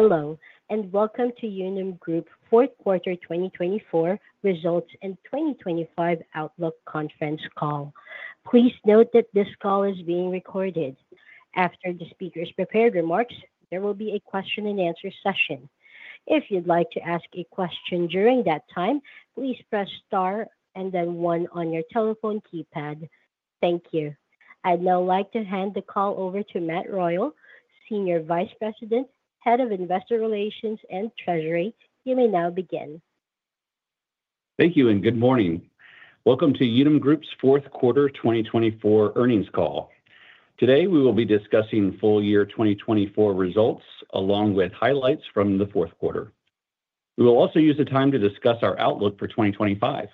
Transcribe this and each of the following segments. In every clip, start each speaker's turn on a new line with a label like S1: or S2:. S1: Hello, and welcome to Unum Group Fourth Quarter 2024 Results and 2025 Outlook Conference Call. Please note that this call is being recorded. After the speaker's prepared remarks, there will be a question-and-answer session. If you'd like to ask a question during that time, please press star and then one on your telephone keypad. Thank you. I'd now like to hand the call over to Matt Royal, Senior Vice President, Head of Investor Relations and Treasury. You may now begin.
S2: Thank you, and good morning. Welcome to Unum Group's Fourth Quarter 2024 Earnings Call. Today, we will be discussing full year 2024 results along with highlights from the fourth quarter. We will also use the time to discuss our outlook for 2025.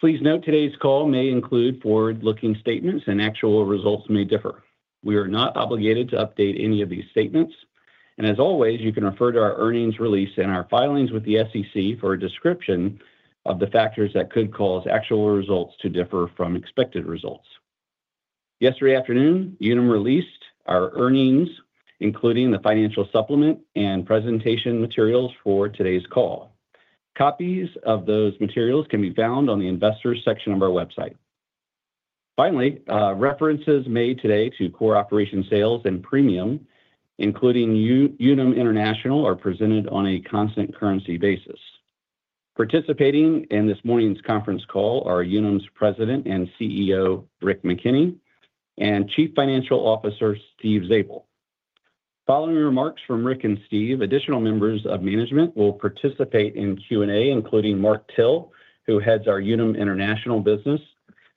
S2: Please note today's call may include forward-looking statements, and actual results may differ. We are not obligated to update any of these statements. As always, you can refer to our earnings release and our filings with the SEC for a description of the factors that could cause actual results to differ from expected results. Yesterday afternoon, Unum released our earnings, including the financial supplement and presentation materials for today's call. Copies of those materials can be found on the investors' section of our website. Finally, references made today to core operation sales and premium, including Unum International, are presented on a constant currency basis. Participating in this morning's conference call are Unum's President and CEO, Rick McKenney, and Chief Financial Officer, Steve Zabel. Following remarks from Rick and Steve, additional members of management will participate in Q&A, including Mark Till, who heads our Unum International business,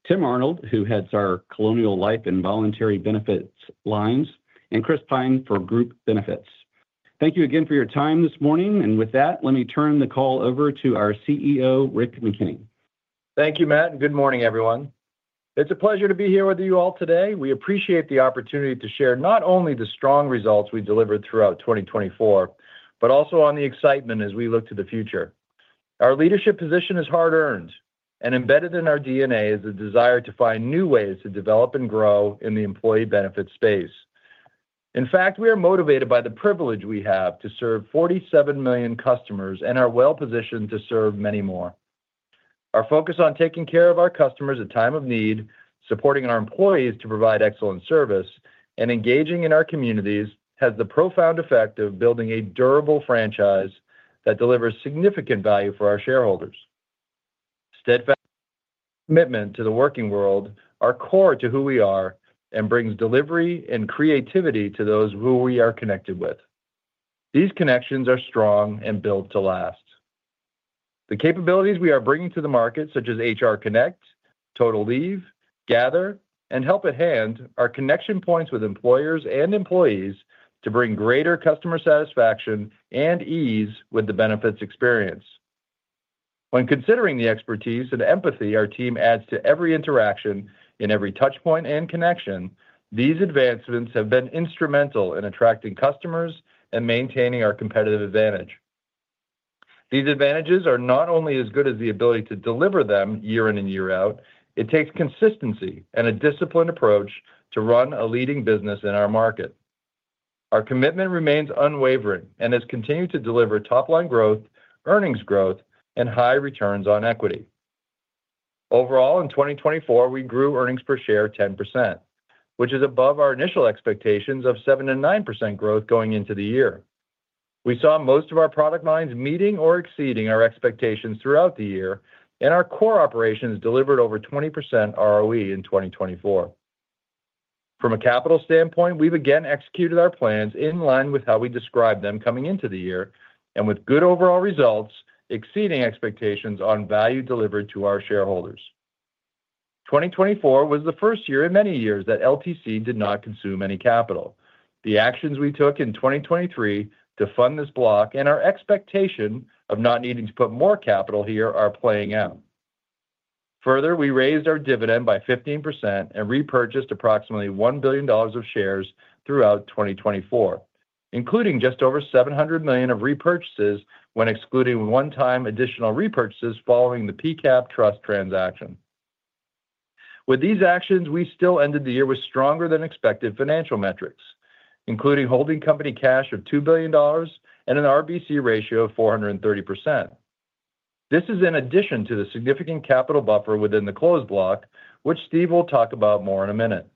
S2: Tim Arnold, who heads our Colonial Life and Voluntary Benefits lines, and Chris Pyne for Group Benefits. Thank you again for your time this morning. And with that, let me turn the call over to our CEO, Rick McKenney.
S3: Thank you, Matt, and good morning, everyone. It's a pleasure to be here with you all today. We appreciate the opportunity to share not only the strong results we delivered throughout 2024, but also on the excitement as we look to the future. Our leadership position is hard-earned, and embedded in our DNA is the desire to find new ways to develop and grow in the employee benefits space. In fact, we are motivated by the privilege we have to serve 47 million customers and are well positioned to serve many more. Our focus on taking care of our customers at time of need, supporting our employees to provide excellent service, and engaging in our communities has the profound effect of building a durable franchise that delivers significant value for our shareholders. Steadfast commitment to the working world is core to who we are and brings delivery and creativity to those who we are connected with. These connections are strong and built to last. The capabilities we are bringing to the market, such as HR Connect, Total Leave, Gathr, and Help@Hand, are connection points with employers and employees to bring greater customer satisfaction and ease with the benefits experience. When considering the expertise and empathy our team adds to every interaction, in every touchpoint and connection, these advancements have been instrumental in attracting customers and maintaining our competitive advantage. These advantages are not only as good as the ability to deliver them year in and year out. It takes consistency and a disciplined approach to run a leading business in our market. Our commitment remains unwavering and has continued to deliver top-line growth, earnings growth, and high returns on equity. Overall, in 2024, we grew earnings per share 10%, which is above our initial expectations of 7% and 9% growth going into the year. We saw most of our product lines meeting or exceeding our expectations throughout the year, and our core operations delivered over 20% ROE in 2024. From a capital standpoint, we've again executed our plans in line with how we described them coming into the year and with good overall results, exceeding expectations on value delivered to our shareholders. 2024 was the first year in many years that LTC did not consume any capital. The actions we took in 2023 to fund this block and our expectation of not needing to put more capital here are playing out. Further, we raised our dividend by 15% and repurchased approximately $1 billion of shares throughout 2024, including just over $700 million of repurchases when excluding one-time additional repurchases following the P-CaPS Trust transaction. With these actions, we still ended the year with stronger-than-expected financial metrics, including holding company cash of $2 billion and an RBC ratio of 430%. This is in addition to the significant capital buffer within the Closed Block, which Steve will talk about more in a minute.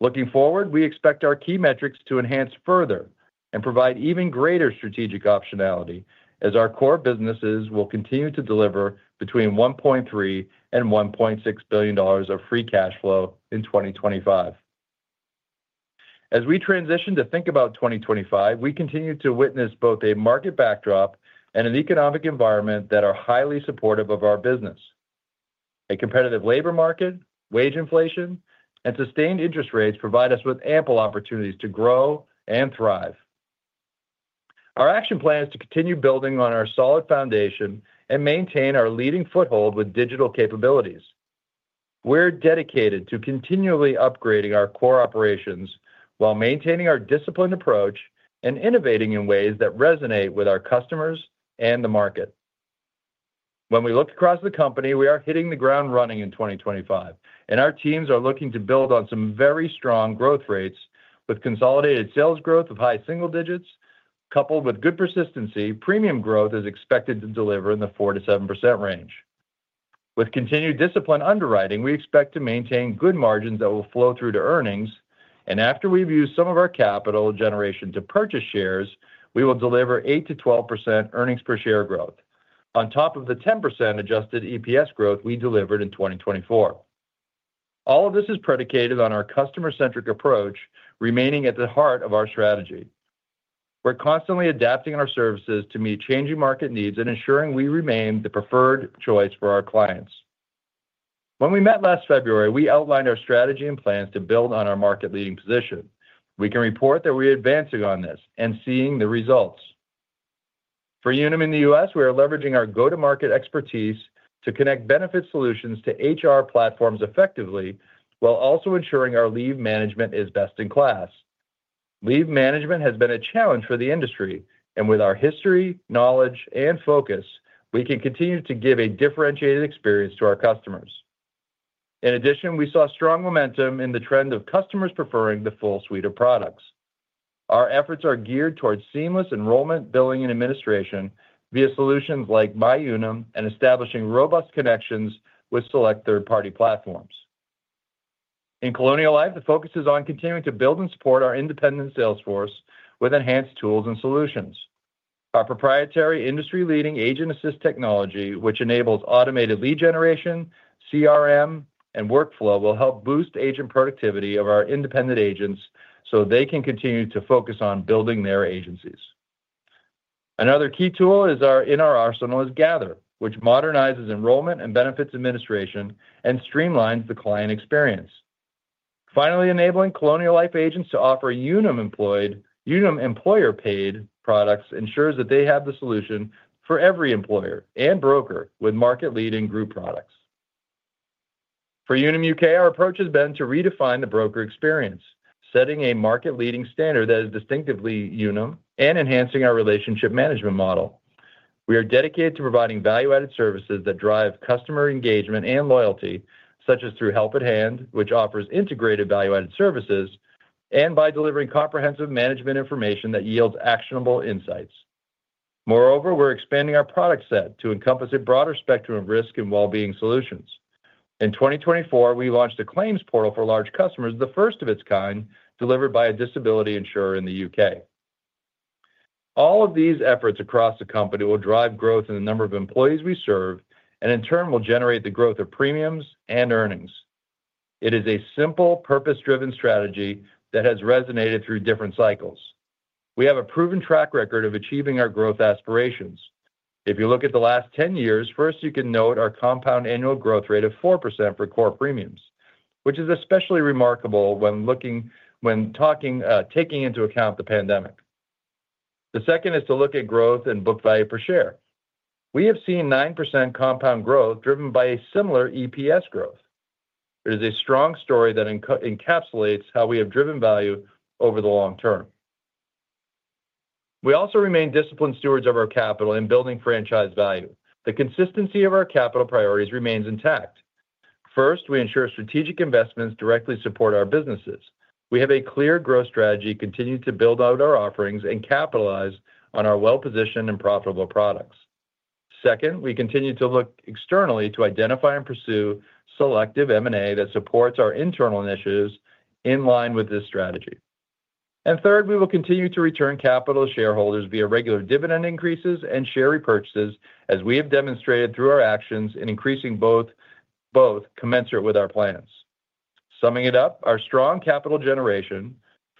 S3: Looking forward, we expect our key metrics to enhance further and provide even greater strategic optionality as our core businesses will continue to deliver between $1.3 and $1.6 billion of free cash flow in 2025. As we transition to think about 2025, we continue to witness both a market backdrop and an economic environment that are highly supportive of our business. A competitive labor market, wage inflation, and sustained interest rates provide us with ample opportunities to grow and thrive. Our action plan is to continue building on our solid foundation and maintain our leading foothold with digital capabilities. We're dedicated to continually upgrading our core operations while maintaining our disciplined approach and innovating in ways that resonate with our customers and the market. When we look across the company, we are hitting the ground running in 2025, and our teams are looking to build on some very strong growth rates. With consolidated sales growth of high single digits, coupled with good persistency, premium growth is expected to deliver in the 4%-7% range. With continued discipline underwriting, we expect to maintain good margins that will flow through to earnings. After we've used some of our capital generation to purchase shares, we will deliver 8%-12% earnings per share growth on top of the 10% adjusted EPS growth we delivered in 2024. All of this is predicated on our customer-centric approach, remaining at the heart of our strategy. We're constantly adapting our services to meet changing market needs and ensuring we remain the preferred choice for our clients. When we met last February, we outlined our strategy and plans to build on our market-leading position. We can report that we're advancing on this and seeing the results. For Unum in the U.S., we are leveraging our go-to-market expertise to connect benefit solutions to HR platforms effectively while also ensuring our leave management is best in class. Leave management has been a challenge for the industry, and with our history, knowledge, and focus, we can continue to give a differentiated experience to our customers. In addition, we saw strong momentum in the trend of customers preferring the full suite of products. Our efforts are geared towards seamless enrollment, billing, and administration via solutions like MyUnum and establishing robust connections with select third-party platforms. In Colonial Life, the focus is on continuing to build and support our independent sales force with enhanced tools and solutions. Our proprietary industry-leading Agent Assist technology, which enables automated lead generation, CRM, and workflow, will help boost agent productivity of our independent agents so they can continue to focus on building their agencies. Another key tool in our arsenal is Gathr, which modernizes enrollment and benefits administration and streamlines the client experience. Finally, enabling Colonial Life agents to offer Unum employer-paid products ensures that they have the solution for every employer and broker with market-leading group products. For Unum U.K., our approach has been to redefine the broker experience, setting a market-leading standard that is distinctively Unum and enhancing our relationship management model. We are dedicated to providing value-added services that drive customer engagement and loyalty, such as through Help@Hand, which offers integrated value-added services, and by delivering comprehensive management information that yields actionable insights. Moreover, we're expanding our product set to encompass a broader spectrum of risk and well-being solutions. In 2024, we launched a claims portal for large customers, the first of its kind, delivered by a disability insurer in the U.K. All of these efforts across the company will drive growth in the number of employees we serve and, in turn, will generate the growth of premiums and earnings. It is a simple, purpose-driven strategy that has resonated through different cycles. We have a proven track record of achieving our growth aspirations. If you look at the last 10 years, first, you can note our compound annual growth rate of 4% for core premiums, which is especially remarkable when taking into account the pandemic. The second is to look at growth and book value per share. We have seen 9% compound growth driven by a similar EPS growth. It is a strong story that encapsulates how we have driven value over the long term. We also remain disciplined stewards of our capital in building franchise value. The consistency of our capital priorities remains intact. First, we ensure strategic investments directly support our businesses. We have a clear growth strategy, continue to build out our offerings, and capitalize on our well-positioned and profitable products. Second, we continue to look externally to identify and pursue selective M&A that supports our internal initiatives in line with this strategy. And third, we will continue to return capital to shareholders via regular dividend increases and share repurchases, as we have demonstrated through our actions in increasing both commensurate with our plans. Summing it up, our strong capital generation,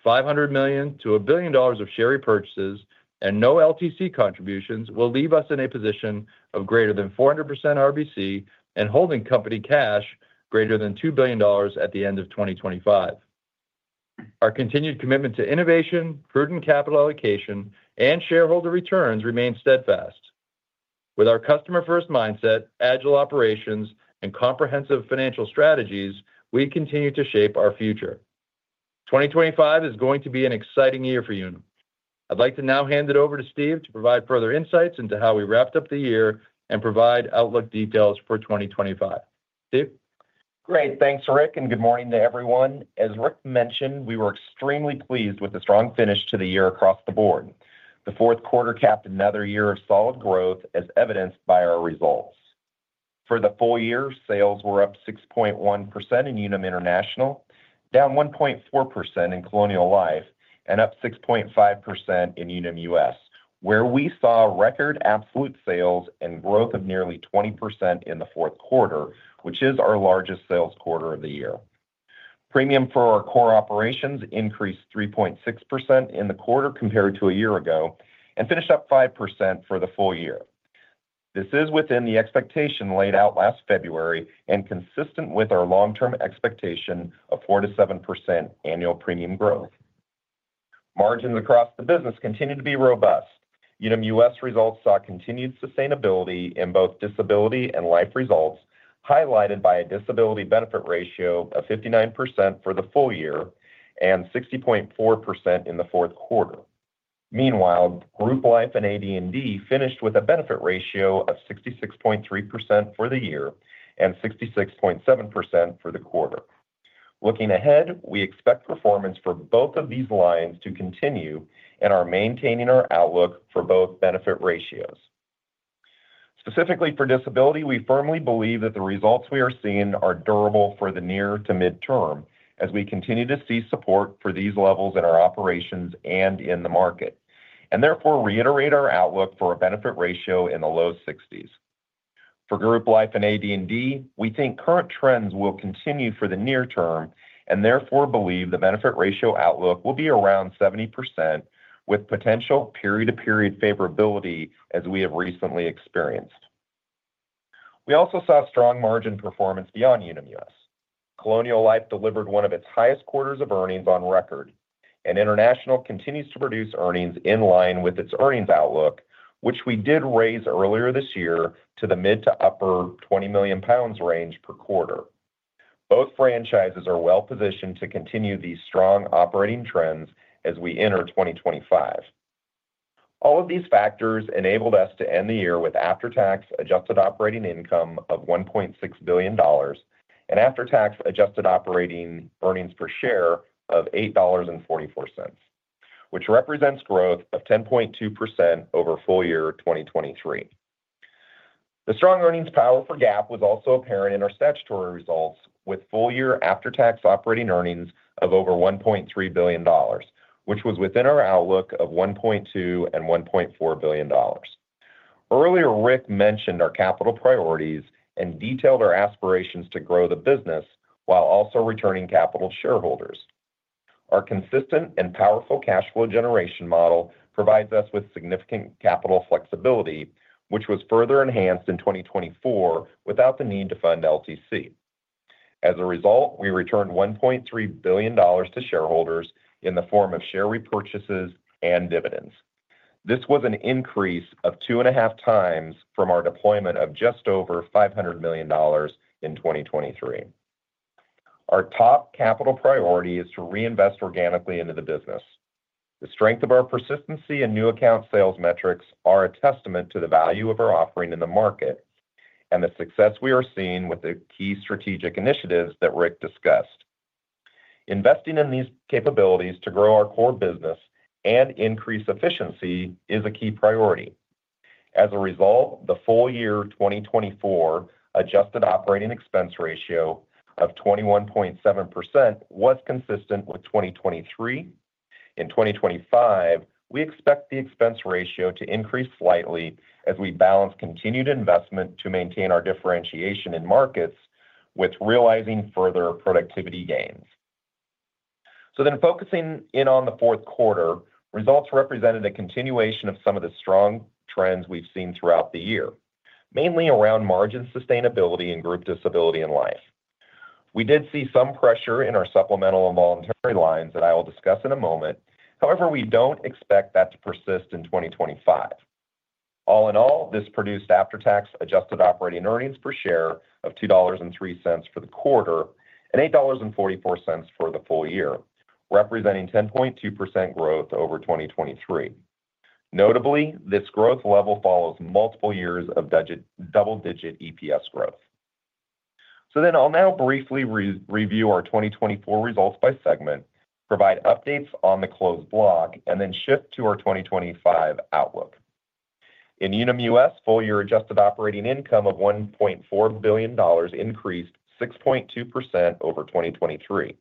S3: $500 million-$1 billion of share repurchases and no LTC contributions will leave us in a position of greater than 400% RBC and holding company cash greater than $2 billion at the end of 2025. Our continued commitment to innovation, prudent capital allocation, and shareholder returns remains steadfast. With our customer-first mindset, agile operations, and comprehensive financial strategies, we continue to shape our future. 2025 is going to be an exciting year for Unum. I'd like to now hand it over to Steve to provide further insights into how we wrapped up the year and provide outlook details for 2025. Steve?
S4: Great. Thanks, Rick, and good morning to everyone. As Rick mentioned, we were extremely pleased with the strong finish to the year across the board. The fourth quarter capped another year of solid growth, as evidenced by our results. For the full year, sales were up 6.1% in Unum International, down 1.4% in Colonial Life, and up 6.5% in Unum U.S., where we saw record absolute sales and growth of nearly 20% in the fourth quarter, which is our largest sales quarter of the year. Premium for our core operations increased 3.6% in the quarter compared to a year ago and finished up 5% for the full year. This is within the expectation laid out last February and consistent with our long-term expectation of 4% to 7% annual premium growth. Margins across the business continue to be robust. Unum U.S. results saw continued sustainability in both disability and life results, highlighted by a disability benefit ratio of 59% for the full year and 60.4% in the fourth quarter. Meanwhile, Group Life and AD&D finished with a benefit ratio of 66.3% for the year and 66.7% for the quarter. Looking ahead, we expect performance for both of these lines to continue and are maintaining our outlook for both benefit ratios. Specifically for disability, we firmly believe that the results we are seeing are durable for the near to midterm as we continue to see support for these levels in our operations and in the market, and therefore reiterate our outlook for a benefit ratio in the low 60s. For Group Life and AD&D, we think current trends will continue for the near term and therefore believe the benefit ratio outlook will be around 70% with potential period-to-period favorability as we have recently experienced. We also saw strong margin performance beyond Unum U.S.. Colonial Life delivered one of its highest quarters of earnings on record, and International continues to produce earnings in line with its earnings outlook, which we did raise earlier this year to the mid to upper 20 million pounds range per quarter. Both franchises are well-positioned to continue these strong operating trends as we enter 2025. All of these factors enabled us to end the year with after-tax adjusted operating income of $1.6 billion and after-tax adjusted operating earnings per share of $8.44, which represents growth of 10.2% over full year 2023. The strong earnings power for GAAP was also apparent in our statutory results, with full year after-tax operating earnings of over $1.3 billion, which was within our outlook of $1.2-$1.4 billion. Earlier, Rick mentioned our capital priorities and detailed our aspirations to grow the business while also returning capital to shareholders. Our consistent and powerful cash flow generation model provides us with significant capital flexibility, which was further enhanced in 2024 without the need to fund LTC. As a result, we returned $1.3 billion to shareholders in the form of share repurchases and dividends. This was an increase of two and a half times from our deployment of just over $500 million in 2023. Our top capital priority is to reinvest organically into the business. The strength of our persistency and new account sales metrics are a testament to the value of our offering in the market and the success we are seeing with the key strategic initiatives that Rick discussed. Investing in these capabilities to grow our core business and increase efficiency is a key priority. As a result, the full year 2024 adjusted operating expense ratio of 21.7% was consistent with 2023. In 2025, we expect the expense ratio to increase slightly as we balance continued investment to maintain our differentiation in markets with realizing further productivity gains. So then, focusing in on the fourth quarter, results represented a continuation of some of the strong trends we've seen throughout the year, mainly around margin sustainability and group disability and life. We did see some pressure in our supplemental and voluntary lines that I will discuss in a moment. However, we don't expect that to persist in 2025. All in all, this produced after-tax adjusted operating earnings per share of $2.03 for the quarter and $8.44 for the full year, representing 10.2% growth over 2023. Notably, this growth level follows multiple years of double-digit EPS growth. So then, I'll now briefly review our 2024 results by segment, provide updates on the Closed Block, and then shift to our 2025 outlook. In Unum U.S., full year adjusted operating income of $1.4 billion increased 6.2% over 2023.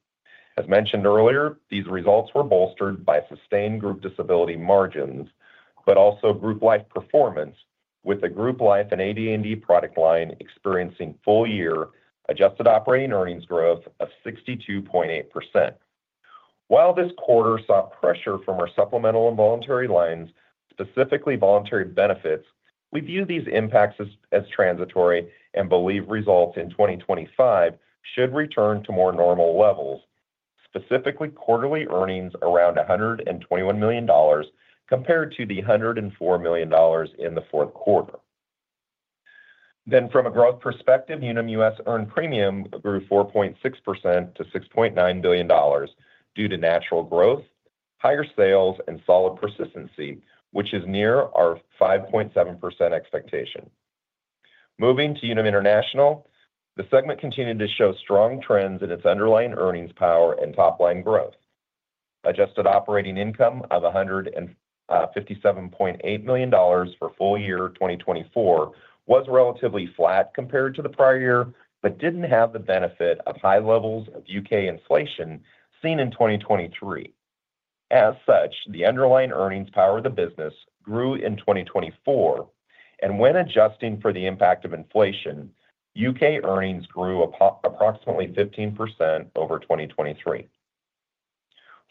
S4: As mentioned earlier, these results were bolstered by sustained Group Disability margins, but also Group Life performance, with the Group Life and AD&D product line experiencing full year adjusted operating earnings growth of 62.8%. While this quarter saw pressure from our supplemental and voluntary lines, specifically voluntary benefits, we view these impacts as transitory and believe results in 2025 should return to more normal levels, specifically quarterly earnings around $121 million compared to the $104 million in the fourth quarter, then from a growth perspective, Unum U.S. earned premium grew 4.6% to $6.9 billion due to natural growth, higher sales, and solid persistency, which is near our 5.7% expectation. Moving to Unum International, the segment continued to show strong trends in its underlying earnings power and top-line growth. Adjusted operating income of $157.8 million for full year 2024 was relatively flat compared to the prior year, but didn't have the benefit of high levels of U.K. inflation seen in 2023. As such, the underlying earnings power of the business grew in 2024, and when adjusting for the impact of inflation, U.K. earnings grew approximately 15% over 2023.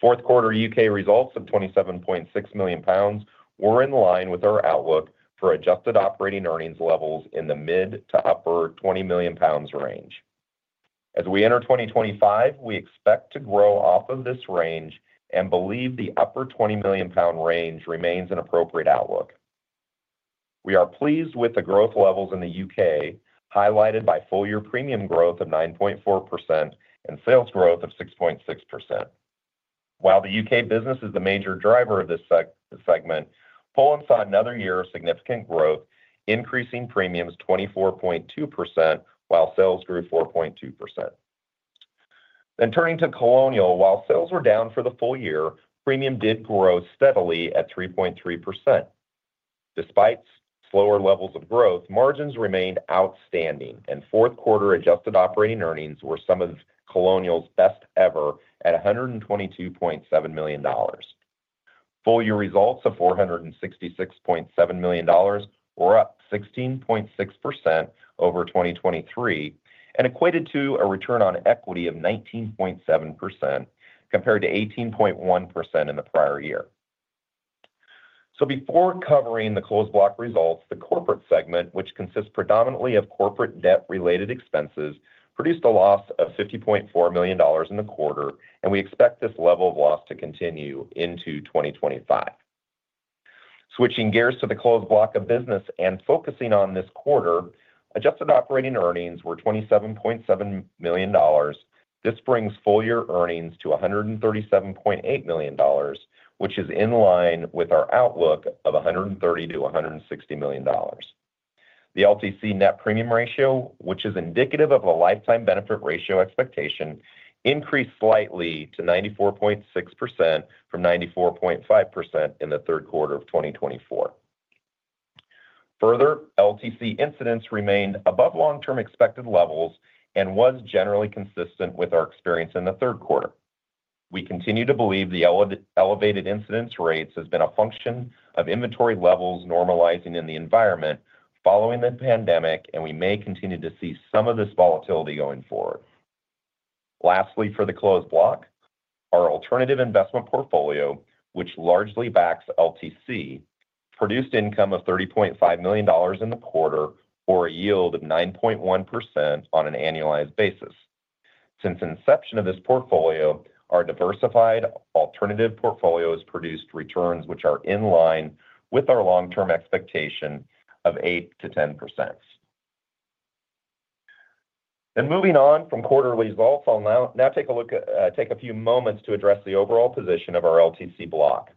S4: Fourth quarter U.K. results of 27.6 million pounds were in line with our outlook for adjusted operating earnings levels in the mid- to upper 20 million pounds range. As we enter 2025, we expect to grow off of this range and believe the upper 20 million pound range remains an appropriate outlook. We are pleased with the growth levels in the U.K., highlighted by full year premium growth of 9.4% and sales growth of 6.6%. While the U.K. business is the major driver of this segment, Poland saw another year of significant growth, increasing premiums 24.2% while sales grew 4.2%. Then, turning to Colonial, while sales were down for the full year, premium did grow steadily at 3.3%. Despite slower levels of growth, margins remained outstanding, and fourth quarter adjusted operating earnings were some of Colonial's best ever at $122.7 million. Full year results of $466.7 million were up 16.6% over 2023 and equated to a return on equity of 19.7% compared to 18.1% in the prior year, so before covering the Closed Block results, the corporate segment, which consists predominantly of corporate debt-related expenses, produced a loss of $50.4 million in the quarter, and we expect this level of loss to continue into 2025. Switching gears to the Closed Block of business and focusing on this quarter, adjusted operating earnings were $27.7 million. This brings full year earnings to $137.8 million, which is in line with our outlook of $130-$160 million. The LTC net premium ratio, which is indicative of a lifetime benefit ratio expectation, increased slightly to 94.6% from 94.5% in the third quarter of 2024. Further, LTC incidence remained above long-term expected levels and was generally consistent with our experience in the third quarter. We continue to believe the elevated incidence rates have been a function of inventory levels normalizing in the environment following the pandemic, and we may continue to see some of this volatility going forward. Lastly, for the Closed Block, our alternative investment portfolio, which largely backs LTC, produced income of $30.5 million in the quarter for a yield of 9.1% on an annualized basis. Since inception of this portfolio, our diversified alternative portfolio has produced returns which are in line with our long-term expectation of 8%-10%. Then, moving on from quarterly results, I'll now take a few moments to address the overall position of our LTC block.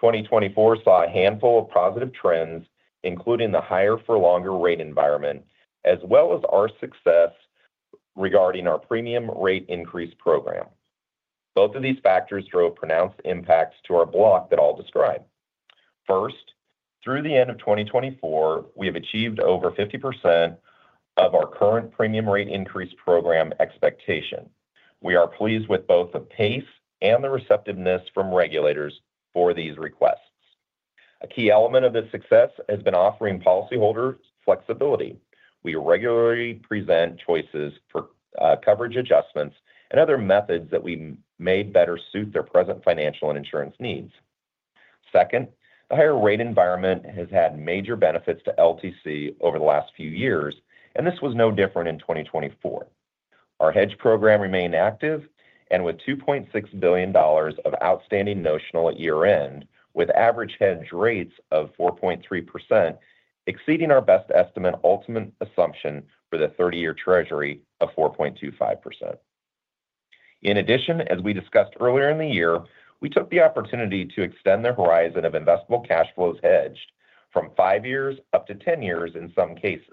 S4: 2024 saw a handful of positive trends, including the higher-for-longer rate environment, as well as our success regarding our premium rate increase program. Both of these factors drove pronounced impacts to our block that I'll describe. First, through the end of 2024, we have achieved over 50% of our current premium rate increase program expectation. We are pleased with both the pace and the receptiveness from regulators for these requests. A key element of this success has been offering policyholders flexibility. We regularly present choices for coverage adjustments and other methods that may better suit their present financial and insurance needs. Second, the higher rate environment has had major benefits to LTC over the last few years, and this was no different in 2024. Our hedge program remained active, and with $2.6 billion of outstanding notional at year-end, with average hedge rates of 4.3%, exceeding our best estimate ultimate assumption for the 30-year Treasury of 4.25%. In addition, as we discussed earlier in the year, we took the opportunity to extend the horizon of investable cash flows hedged from five years up to 10 years in some cases.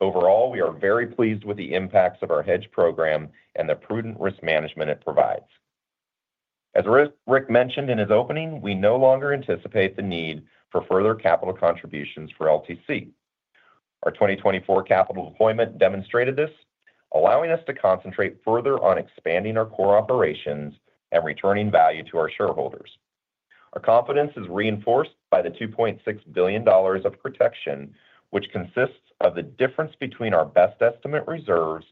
S4: Overall, we are very pleased with the impacts of our hedge program and the prudent risk management it provides. As Rick mentioned in his opening, we no longer anticipate the need for further capital contributions for LTC. Our 2024 capital deployment demonstrated this, allowing us to concentrate further on expanding our core operations and returning value to our shareholders. Our confidence is reinforced by the $2.6 billion of protection, which consists of the difference between our best estimate reserves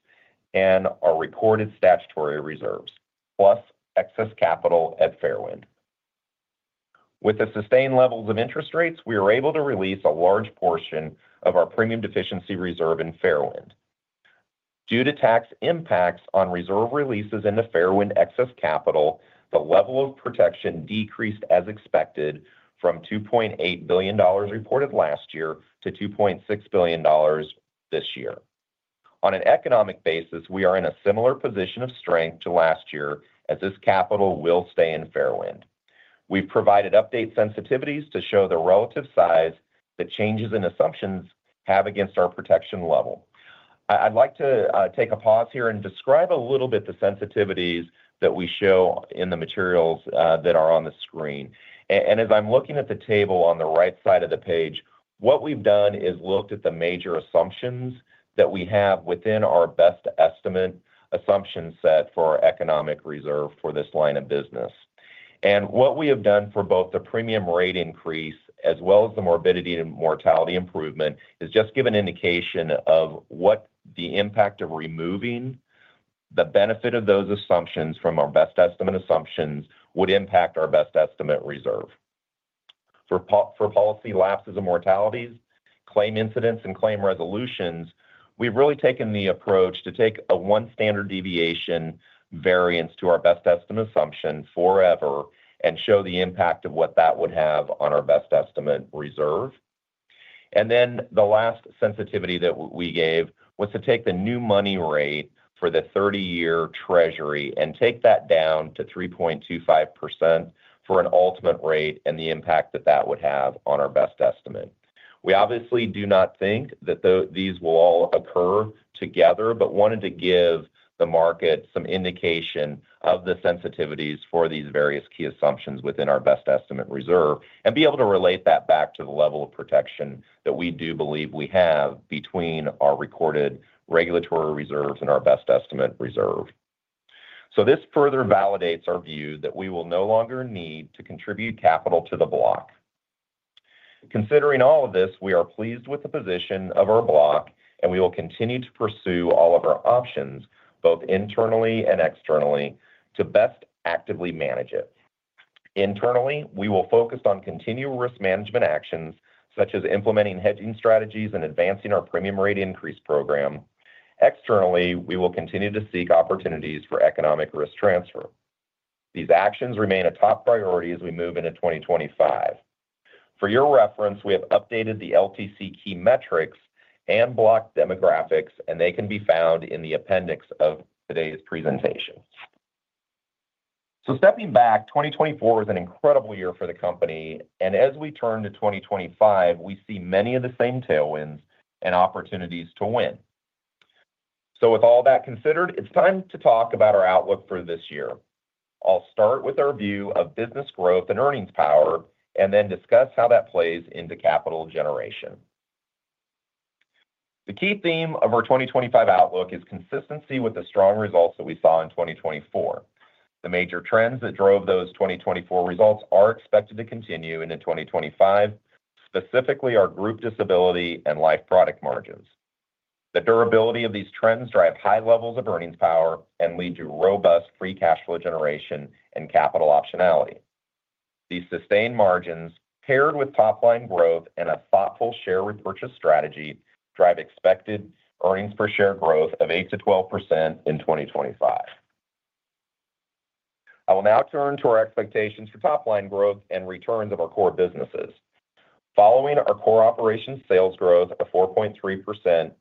S4: and our recorded statutory reserves, plus excess capital at Fairwind. With the sustained levels of interest rates, we were able to release a large portion of our premium deficiency reserve in Fairwind. Due to tax impacts on reserve releases into Fairwind excess capital, the level of protection decreased as expected from $2.8 billion reported last year to $2.6 billion this year. On an economic basis, we are in a similar position of strength to last year as this capital will stay in Fairwind. We've provided update sensitivities to show the relative size that changes in assumptions have against our protection level. I'd like to take a pause here and describe a little bit the sensitivities that we show in the materials that are on the screen. As I'm looking at the table on the right side of the page, what we've done is looked at the major assumptions that we have within our best estimate assumption set for our economic reserve for this line of business. What we have done for both the premium rate increase as well as the morbidity and mortality improvement is just give an indication of what the impact of removing the benefit of those assumptions from our best estimate assumptions would impact our best estimate reserve. For policy lapses and mortalities, claim incidence, and claim resolutions, we've really taken the approach to take a one standard deviation variance to our best estimate assumption forever and show the impact of what that would have on our best estimate reserve. Then the last sensitivity that we gave was to take the new money rate for the 30-year Treasury and take that down to 3.25% for an ultimate rate and the impact that that would have on our best estimate. We obviously do not think that these will all occur together, but wanted to give the market some indication of the sensitivities for these various key assumptions within our best estimate reserve and be able to relate that back to the level of protection that we do believe we have between our recorded regulatory reserves and our best estimate reserve. This further validates our view that we will no longer need to contribute capital to the block. Considering all of this, we are pleased with the position of our block, and we will continue to pursue all of our options, both internally and externally, to best actively manage it. Internally, we will focus on continual risk management actions such as implementing hedging strategies and advancing our premium rate increase program. Externally, we will continue to seek opportunities for economic risk transfer. These actions remain a top priority as we move into 2025. For your reference, we have updated the LTC key metrics and block demographics, and they can be found in the appendix of today's presentation. So stepping back, 2024 was an incredible year for the company, and as we turn to 2025, we see many of the same tailwinds and opportunities to win. So with all that considered, it's time to talk about our outlook for this year. I'll start with our view of business growth and earnings power and then discuss how that plays into capital generation. The key theme of our 2025 outlook is consistency with the strong results that we saw in 2024. The major trends that drove those 2024 results are expected to continue into 2025, specifically our group disability and life product margins. The durability of these trends drive high levels of earnings power and lead to robust free cash flow generation and capital optionality. These sustained margins, paired with top-line growth and a thoughtful share repurchase strategy, drive expected earnings per share growth of 8%-12% in 2025. I will now turn to our expectations for top-line growth and returns of our core businesses. Following our core operations sales growth of 4.3%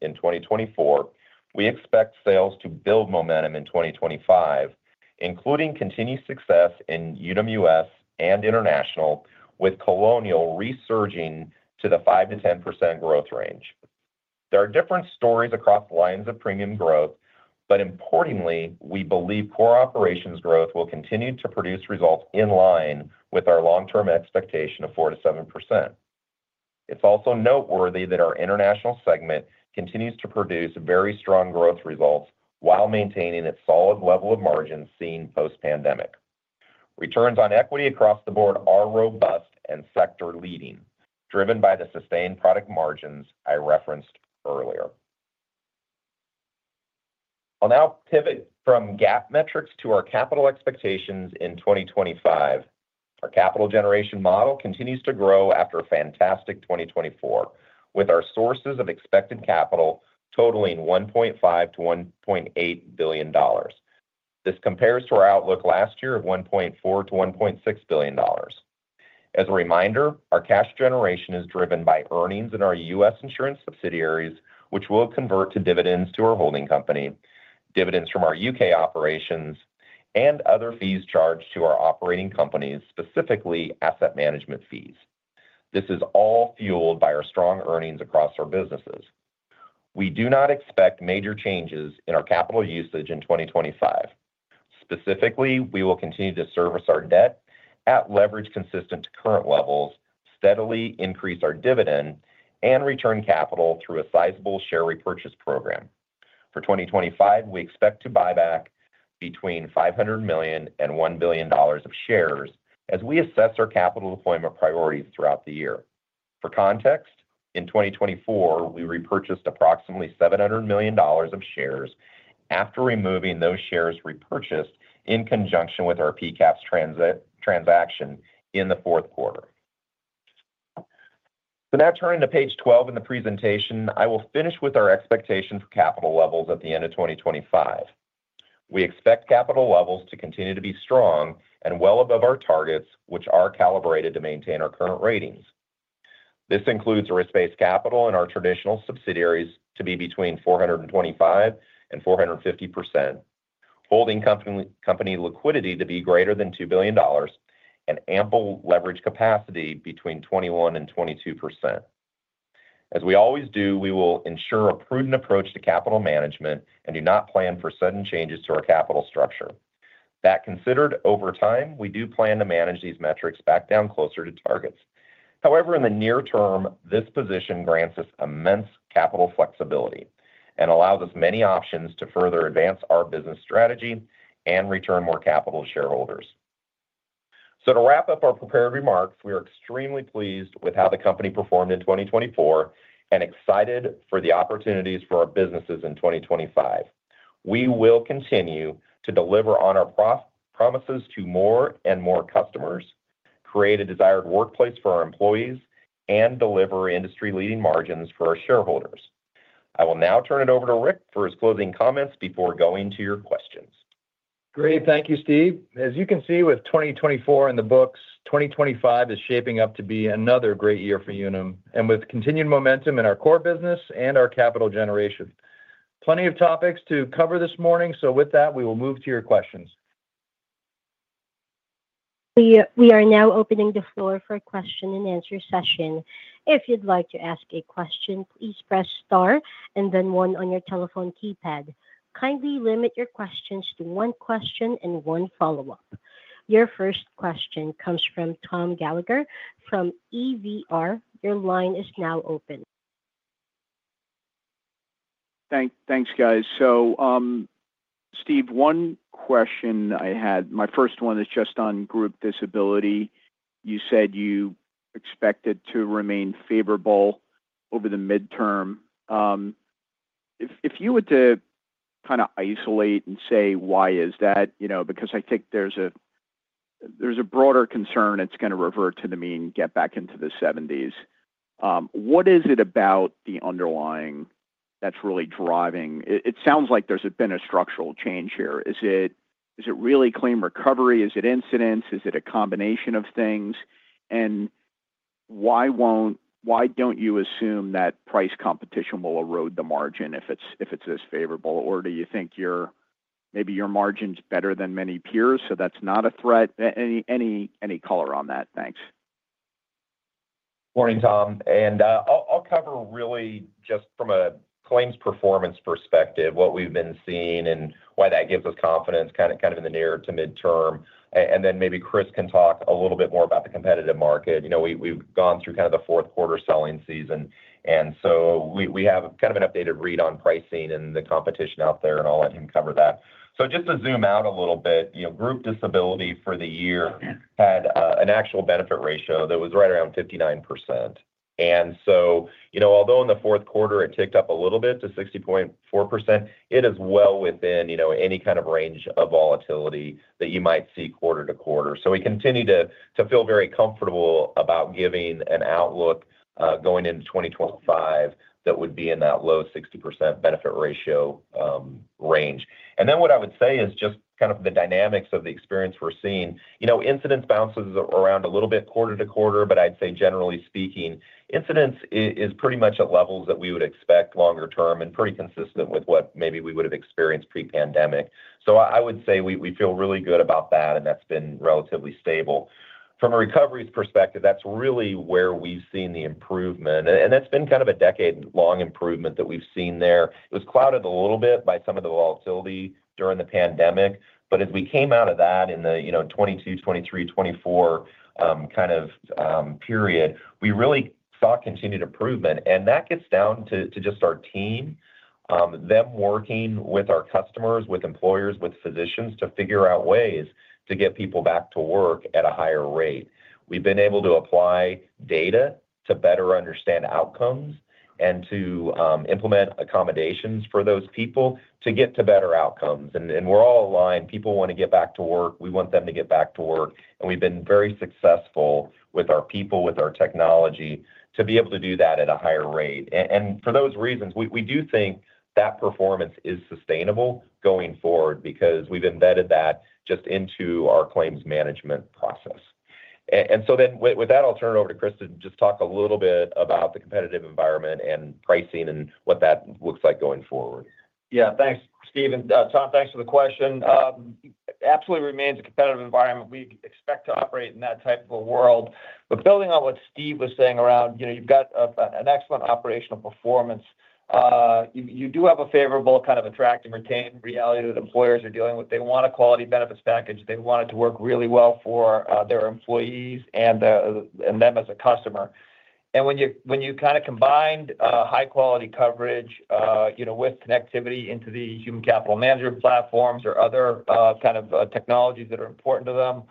S4: in 2024, we expect sales to build momentum in 2025, including continued success in Unum U.S. and international, with Colonial resurging to the 5%-10% growth range. There are different stories across the lines of premium growth, but importantly, we believe core operations growth will continue to produce results in line with our long-term expectation of 4%-7%. It's also noteworthy that our international segment continues to produce very strong growth results while maintaining its solid level of margins seen post-pandemic. Returns on equity across the board are robust and sector-leading, driven by the sustained product margins I referenced earlier. I'll now pivot from GAAP metrics to our capital expectations in 2025. Our capital generation model continues to grow after a fantastic 2024, with our sources of expected capital totaling $1.5-$1.8 billion. This compares to our outlook last year of $1.4-$1.6 billion. As a reminder, our cash generation is driven by earnings in our U.S. insurance subsidiaries, which will convert to dividends to our holding company, dividends from our U.K. operations, and other fees charged to our operating companies, specifically asset management fees. This is all fueled by our strong earnings across our businesses. We do not expect major changes in our capital usage in 2025. Specifically, we will continue to service our debt at leverage consistent to current levels, steadily increase our dividend, and return capital through a sizable share repurchase program. For 2025, we expect to buy back between $500 million and $1 billion of shares as we assess our capital deployment priorities throughout the year. For context, in 2024, we repurchased approximately $700 million of shares after removing those shares repurchased in conjunction with our PCAPS transaction in the fourth quarter. So now turning to page 12 in the presentation, I will finish with our expectation for capital levels at the end of 2025. We expect capital levels to continue to be strong and well above our targets, which are calibrated to maintain our current ratings. This includes risk-based capital in our traditional subsidiaries to be between 425% and 450%, holding company liquidity to be greater than $2 billion, and ample leverage capacity between 21% and 22%. As we always do, we will ensure a prudent approach to capital management and do not plan for sudden changes to our capital structure. That considered, over time, we do plan to manage these metrics back down closer to targets. However, in the near term, this position grants us immense capital flexibility and allows us many options to further advance our business strategy and return more capital to shareholders. So to wrap up our prepared remarks, we are extremely pleased with how the company performed in 2024 and excited for the opportunities for our businesses in 2025. We will continue to deliver on our promises to more and more customers, create a desired workplace for our employees, and deliver industry-leading margins for our shareholders. I will now turn it over to Rick for his closing comments before going to your questions.
S3: Great. Thank you, Steve. As you can see, with 2024 in the books, 2025 is shaping up to be another great year for Unum and with continued momentum in our core business and our capital generation. Plenty of topics to cover this morning, so with that, we will move to your questions.
S1: We are now opening the floor for a question-and-answer session. If you'd like to ask a question, please press star and then one on your telephone keypad. Kindly limit your questions to one question and one follow-up. Your first question comes from Tom Gallagher from Evercore ISI. Your line is now open.
S5: Thanks, guys. So Steve, one question I had, my first one is just on group disability. You said you expect it to remain favorable over the midterm. If you were to kind of isolate and say, "Why is that?" Because I think there's a broader concern it's going to revert to the mean and get back into the 70s. What is it about the underlying that's really driving? It sounds like there's been a structural change here. Is it really claim recovery? Is it incidence? Is it a combination of things? And why don't you assume that price competition will erode the margin if it's this favorable? Or do you think maybe your margin's better than many peers, so that's not a threat? Any color on that? Thanks.
S4: Morning, Tom. And I'll cover really just from a claims performance perspective what we've been seeing and why that gives us confidence kind of in the near to midterm. And then maybe Chris can talk a little bit more about the competitive market. We've gone through kind of the fourth quarter selling season, and so we have kind of an updated read on pricing and the competition out there, and I'll let him cover that. So just to zoom out a little bit, group disability for the year had an actual benefit ratio that was right around 59%. And so although in the fourth quarter it ticked up a little bit to 60.4%, it is well within any kind of range of volatility that you might see quarter to quarter. So we continue to feel very comfortable about giving an outlook going into 2025 that would be in that low 60% benefit ratio range. And then what I would say is just kind of the dynamics of the experience we're seeing. Incidence bounces around a little bit quarter to quarter, but I'd say generally speaking, incidence is pretty much at levels that we would expect longer term and pretty consistent with what maybe we would have experienced pre-pandemic. So I would say we feel really good about that, and that's been relatively stable. From a recovery perspective, that's really where we've seen the improvement, and that's been kind of a decade-long improvement that we've seen there. It was clouded a little bit by some of the volatility during the pandemic, but as we came out of that in the 2022, 2023, 2024 kind of period, we really saw continued improvement. And that gets down to just our team, them working with our customers, with employers, with physicians to figure out ways to get people back to work at a higher rate. We've been able to apply data to better understand outcomes and to implement accommodations for those people to get to better outcomes. And we're all aligned. People want to get back to work. We want them to get back to work. And we've been very successful with our people, with our technology, to be able to do that at a higher rate. And for those reasons, we do think that performance is sustainable going forward because we've embedded that just into our claims management process. And so then with that, I'll turn it over to Chris to just talk a little bit about the competitive environment and pricing and what that looks like going forward.
S6: Yeah, thanks, Steve. And Tom, thanks for the question. Absolutely remains a competitive environment. We expect to operate in that type of a world. But building on what Steve was saying around you've got an excellent operational performance, you do have a favorable kind of attract and retain reality that employers are dealing with. They want a quality benefits package. They want it to work really well for their employees and them as a customer. When you kind of combine high-quality coverage with connectivity into the human capital management platforms or other kind of technologies that are important to them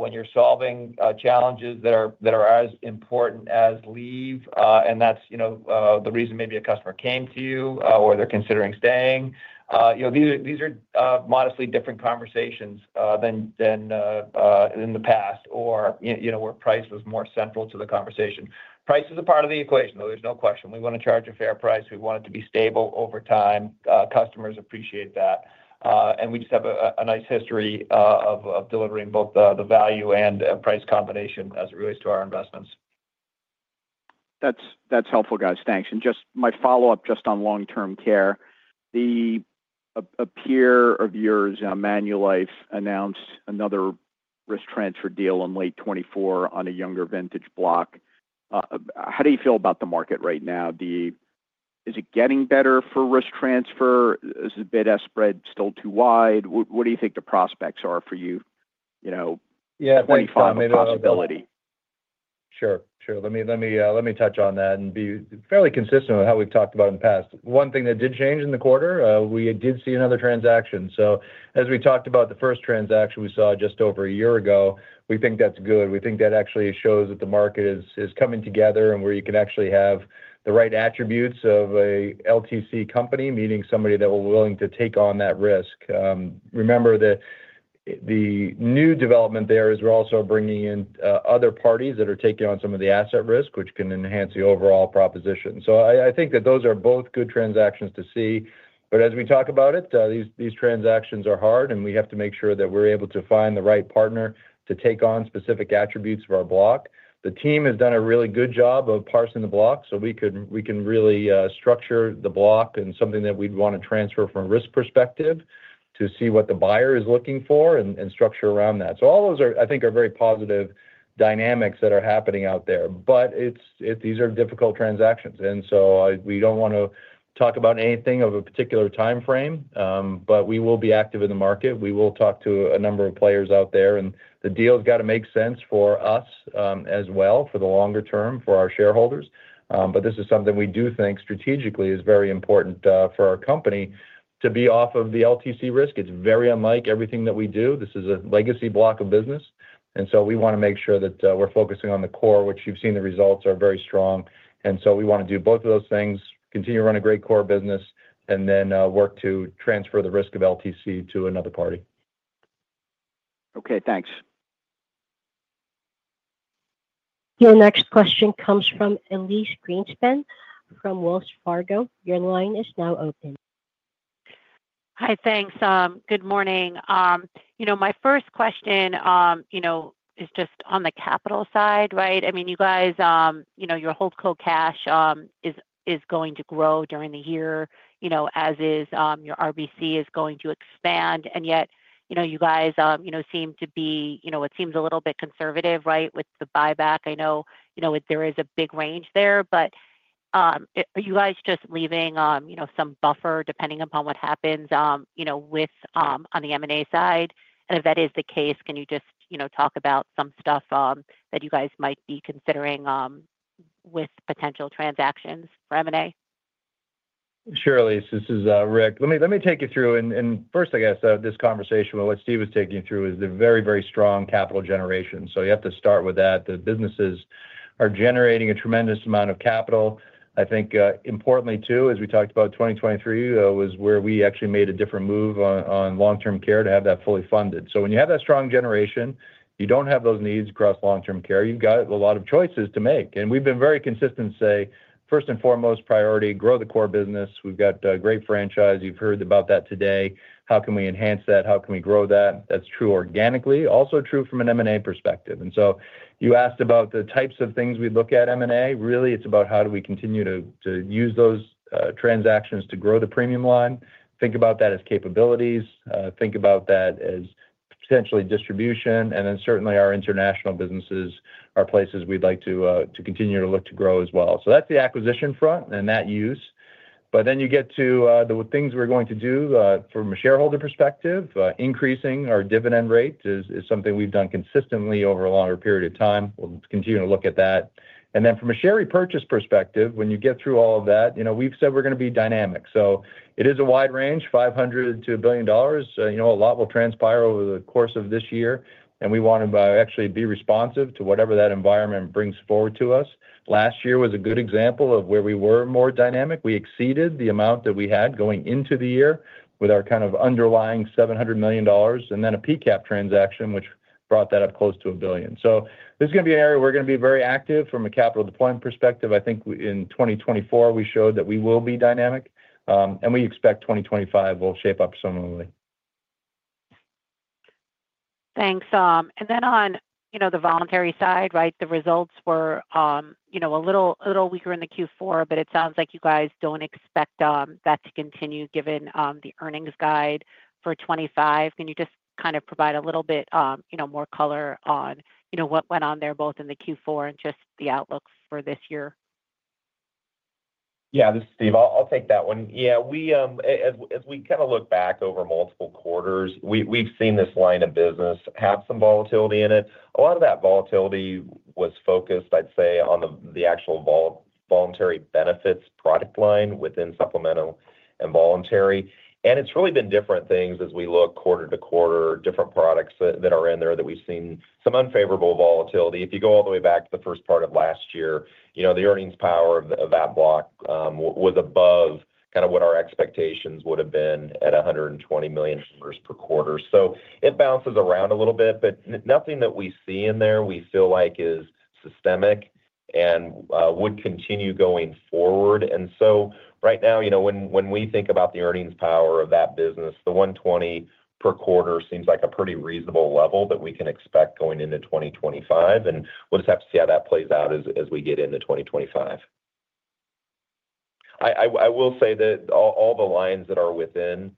S6: when you're solving challenges that are as important as leave, and that's the reason maybe a customer came to you or they're considering staying, these are modestly different conversations than in the past or where price was more central to the conversation. Price is a part of the equation, though. There's no question. We want to charge a fair price. We want it to be stable over time. Customers appreciate that. We just have a nice history of delivering both the value and price combination as it relates to our investments.
S5: That's helpful, guys. Thanks. Just my follow-up just on long-term care. A peer of yours, Manulife, announced another risk transfer deal in late 2024 on a younger vintage block. How do you feel about the market right now? Is it getting better for risk transfer? Is the bid-ask spread still too wide? What do you think the prospects are for you? Yeah, 25% possibility.
S3: Sure. Sure. Let me touch on that and be fairly consistent with how we've talked about it in the past. One thing that did change in the quarter, we did see another transaction. So as we talked about the first transaction we saw just over a year ago, we think that's good. We think that actually shows that the market is coming together and where you can actually have the right attributes of an LTC company, meaning somebody that will be willing to take on that risk. Remember that the new development there is we're also bringing in other parties that are taking on some of the asset risk, which can enhance the overall proposition. I think that those are both good transactions to see. As we talk about it, these transactions are hard, and we have to make sure that we're able to find the right partner to take on specific attributes of our block. The team has done a really good job of parsing the block so we can really structure the block and something that we'd want to transfer from a risk perspective to see what the buyer is looking for and structure around that. All those are, I think, very positive dynamics that are happening out there. These are difficult transactions. We don't want to talk about anything of a particular time frame, but we will be active in the market. We will talk to a number of players out there. And the deal's got to make sense for us as well for the longer term for our shareholders. But this is something we do think strategically is very important for our company to be off of the LTC risk. It's very unlike everything that we do. This is a legacy block of business. And so we want to make sure that we're focusing on the core, which you've seen the results are very strong. And so we want to do both of those things, continue to run a great core business, and then work to transfer the risk of LTC to another party.
S5: Okay. Thanks.
S1: Your next question comes from Elyse Greenspan from Wells Fargo. Your line is now open.
S7: Hi, thanks. Good morning. My first question is just on the capital side, right? I mean, you guys, your Holdco Cash is going to grow during the year, as is your RBC, is going to expand, and yet you guys seem to be what seems a little bit conservative, right, with the buyback. I know there is a big range there, but are you guys just leaving some buffer depending upon what happens on the M&A side? And if that is the case, can you just talk about some stuff that you guys might be considering with potential transactions for M&A?
S3: Sure, Elyse. This is Rick. Let me take you through, and first, I guess, this conversation with what Steve was taking you through is the very, very strong capital generation. So you have to start with that. The businesses are generating a tremendous amount of capital. I think importantly, too, as we talked about, 2023 was where we actually made a different move on long-term care to have that fully funded. So when you have that strong generation, you don't have those needs across long-term care. You've got a lot of choices to make. And we've been very consistent to say, first and foremost, priority, grow the core business. We've got a great franchise. You've heard about that today. How can we enhance that? How can we grow that? That's true organically. Also true from an M&A perspective. And so you asked about the types of things we'd look at M&A. Really, it's about how do we continue to use those transactions to grow the premium line. Think about that as capabilities. Think about that as potentially distribution. And then certainly, our international businesses are places we'd like to continue to look to grow as well. That's the acquisition front and that use. But then you get to the things we're going to do from a shareholder perspective. Increasing our dividend rate is something we've done consistently over a longer period of time. We'll continue to look at that. And then from a share repurchase perspective, when you get through all of that, we've said we're going to be dynamic. So it is a wide range, $500 million-$1 billion. A lot will transpire over the course of this year. And we want to actually be responsive to whatever that environment brings forward to us. Last year was a good example of where we were more dynamic. We exceeded the amount that we had going into the year with our kind of underlying $700 million. And then a PCAP transaction, which brought that up close to a billion. So this is going to be an area we're going to be very active from a capital deployment perspective. I think in 2024, we showed that we will be dynamic, and we expect 2025 will shape up similarly.
S7: Thanks, and then on the voluntary side, right, the results were a little weaker in the Q4, but it sounds like you guys don't expect that to continue given the earnings guide for 2025. Can you just kind of provide a little bit more color on what went on there, both in the Q4 and just the outlook for this year?
S4: Yeah, this is Steve. I'll take that one. Yeah. As we kind of look back over multiple quarters, we've seen this line of business have some volatility in it. A lot of that volatility was focused, I'd say, on the actual voluntary benefits product line within supplemental and voluntary. It's really been different things as we look quarter to quarter, different products that are in there that we've seen some unfavorable volatility. If you go all the way back to the first part of last year, the earnings power of that block was above kind of what our expectations would have been at $120 million per quarter. So it bounces around a little bit, but nothing that we see in there, we feel like is systemic and would continue going forward. And so right now, when we think about the earnings power of that business, the 120 per quarter seems like a pretty reasonable level that we can expect going into 2025. And we'll just have to see how that plays out as we get into 2025. I will say that all the lines that are within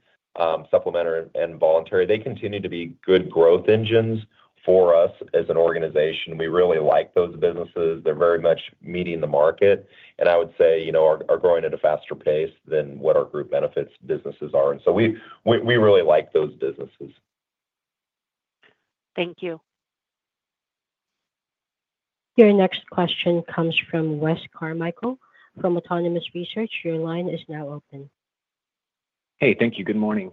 S4: supplemental and voluntary, they continue to be good growth engines for us as an organization. We really like those businesses. They're very much meeting the market. And I would say are growing at a faster pace than what our group benefits businesses are. And so we really like those businesses.
S7: Thank you.
S1: Your next question comes from Wes Carmichael from Autonomous Research. Your line is now open.
S8: Hey, thank you. Good morning.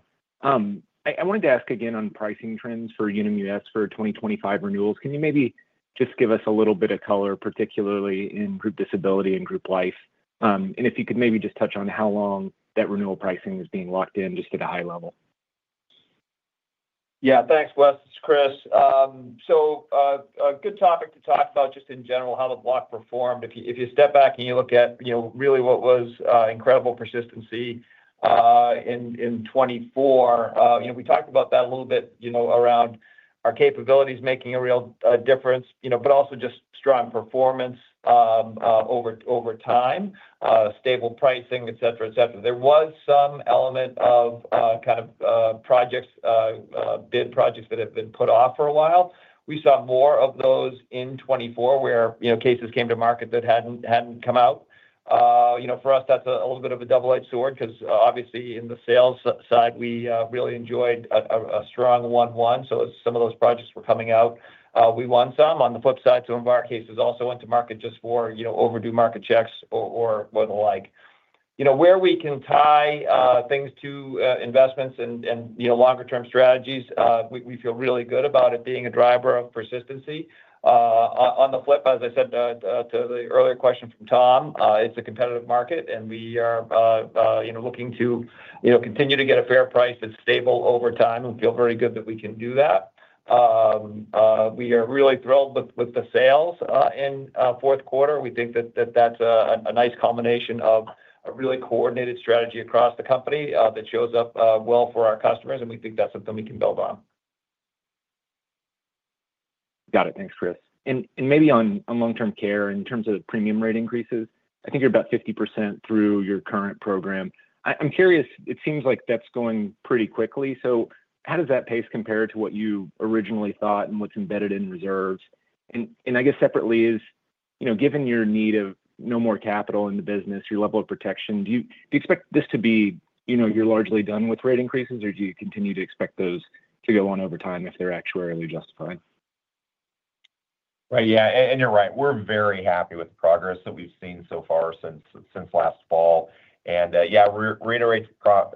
S8: I wanted to ask again on pricing trends for Unum U.S. for 2025 renewals. Can you maybe just give us a little bit of color, particularly in Group Disability and Group Life? And if you could maybe just touch on how long that renewal pricing is being locked in just at a high level.
S6: Yeah, thanks, Wes. This is Chris. A good topic to talk about just in general, how the block performed. If you step back and you look at really what was incredible persistency in 2024, we talked about that a little bit around our capabilities making a real difference, but also just strong performance over time, stable pricing, etc., etc. There was some element of kind of bid projects that have been put off for a while. We saw more of those in 2024 where cases came to market that hadn't come out. For us, that's a little bit of a double-edged sword because obviously in the sales side, we really enjoyed a strong 1/1. So some of those projects were coming out. We won some. On the flip side, some of our cases also went to market just for overdue market checks or the like. Where we can tie things to investments and longer-term strategies, we feel really good about it being a driver of persistency. On the flip, as I said to the earlier question from Tom, it's a competitive market, and we are looking to continue to get a fair price that's stable over time and feel very good that we can do that. We are really thrilled with the sales in fourth quarter. We think that that's a nice combination of a really coordinated strategy across the company that shows up well for our customers, and we think that's something we can build on.
S8: Got it. Thanks, Chris. And maybe on long-term care in terms of premium rate increases, I think you're about 50% through your current program. I'm curious. It seems like that's going pretty quickly. So how does that pace compare to what you originally thought and what's embedded in reserves? And I guess separately, given your need of no more capital in the business, your level of protection, do you expect this to be you're largely done with rate increases, or do you continue to expect those to go on over time if they're actuarially justified?
S4: Right. Yeah. And you're right. We're very happy with the progress that we've seen so far since last fall. And yeah, reiterate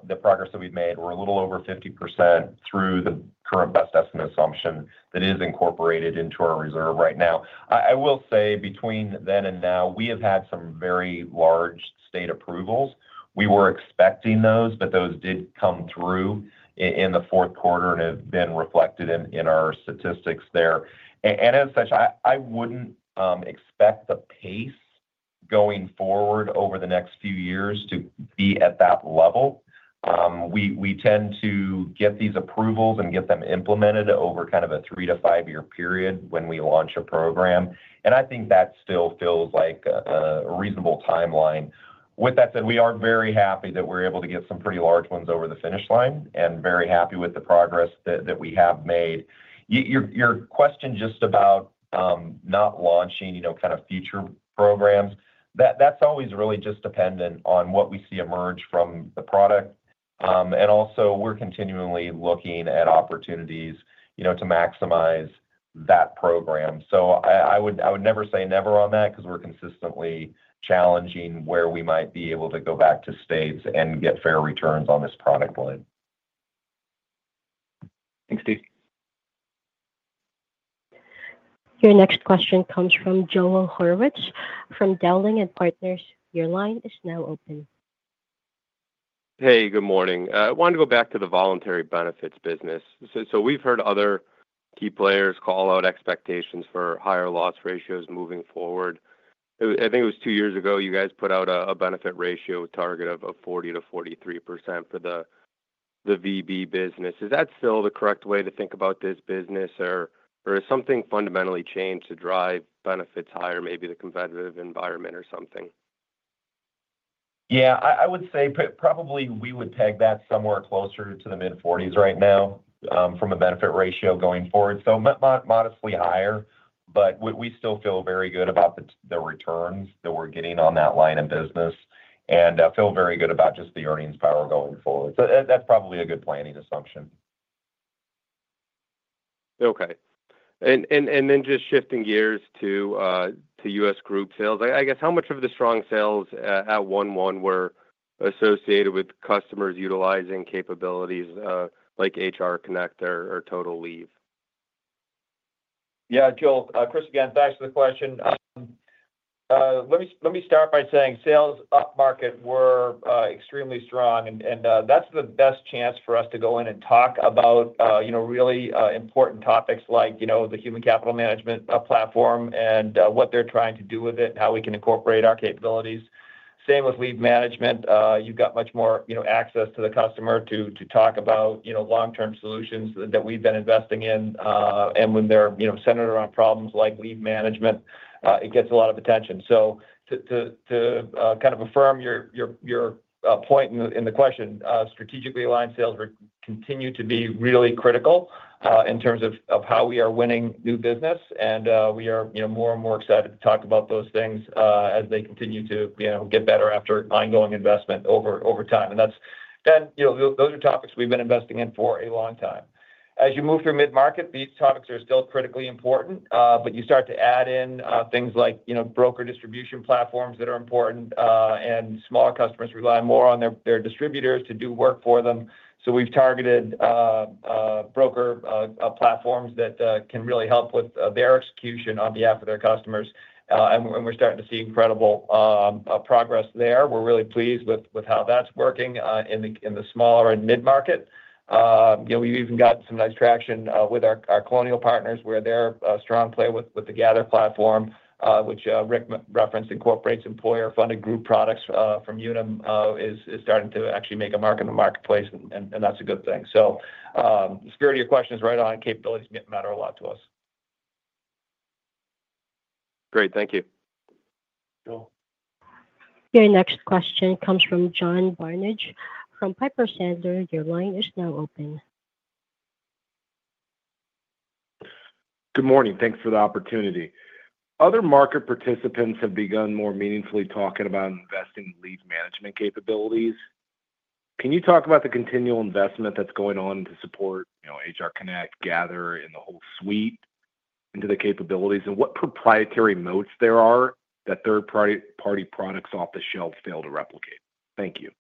S4: the progress that we've made. We're a little over 50% through the current best estimate assumption that is incorporated into our reserve right now. I will say between then and now, we have had some very large state approvals. We were expecting those, but those did come through in the fourth quarter and have been reflected in our statistics there. And as such, I wouldn't expect the pace going forward over the next few years to be at that level. We tend to get these approvals and get them implemented over kind of a three to five-year period when we launch a program. And I think that still feels like a reasonable timeline. With that said, we are very happy that we're able to get some pretty large ones over the finish line and very happy with the progress that we have made. Your question just about not launching kind of future programs, that's always really just dependent on what we see emerge from the product. And also, we're continually looking at opportunities to maximize that program. So I would never say never on that because we're consistently challenging where we might be able to go back to states and get fair returns on this product line.
S8: Thanks, Steve.
S1: Your next question comes from Joel Horowitz from Dowling & Partners. Your line is now open.
S9: Hey, good morning. I wanted to go back to the voluntary benefits business. So we've heard other key players call out expectations for higher loss ratios moving forward. I think it was two years ago you guys put out a benefit ratio target of 40%-43% for the VB business. Is that still the correct way to think about this business, or has something fundamentally changed to drive benefits higher, maybe the competitive environment or something?
S4: Yeah, I would say probably we would peg that somewhere closer to the mid-40s right now from a benefit ratio going forward. So modestly higher, but we still feel very good about the returns that we're getting on that line of business. And I feel very good about just the earnings power going forward. So that's probably a good planning assumption.
S9: Okay. And then just shifting gears to U.S. group sales, I guess how much of the strong sales at 1/1 were associated with customers utilizing capabilities like HR Connect or Total Leave?
S6: Yeah, Joel. Chris, again, thanks for the question. Let me start by saying sales up market were extremely strong, and that's the best chance for us to go in and talk about really important topics like the human capital management platform and what they're trying to do with it and how we can incorporate our capabilities. Same with leave management. You've got much more access to the customer to talk about long-term solutions that we've been investing in. And when they're centered around problems like leave management, it gets a lot of attention. To kind of affirm your point in the question, strategically aligned sales continue to be really critical in terms of how we are winning new business. And we are more and more excited to talk about those things as they continue to get better after ongoing investment over time. And those are topics we've been investing in for a long time. As you move through mid-market, these topics are still critically important, but you start to add in things like broker distribution platforms that are important, and smaller customers rely more on their distributors to do work for them. So we've targeted broker platforms that can really help with their execution on behalf of their customers. And we're starting to see incredible progress there. We're really pleased with how that's working in the smaller and mid-market. We've even gotten some nice traction with our Colonial Life partners where they're a strong player with the Gathr platform, which Rick referenced, incorporates employer-funded group products from Unum, is starting to actually make a mark in the marketplace, and that's a good thing. So the spirit of your question is right on. Capabilities matter a lot to us.
S9: Great. Thank you.
S1: Your next question comes from John Barnidge from Piper Sandler. Your line is now open.
S10: Good morning. Thanks for the opportunity. Other market participants have begun more meaningfully talking about investing in leave management capabilities. Can you talk about the continual investment that's going on to support HR Connect, Gathr, and the whole suite into the capabilities, and what proprietary modes there are that third-party products off the shelf fail to replicate? Thank you.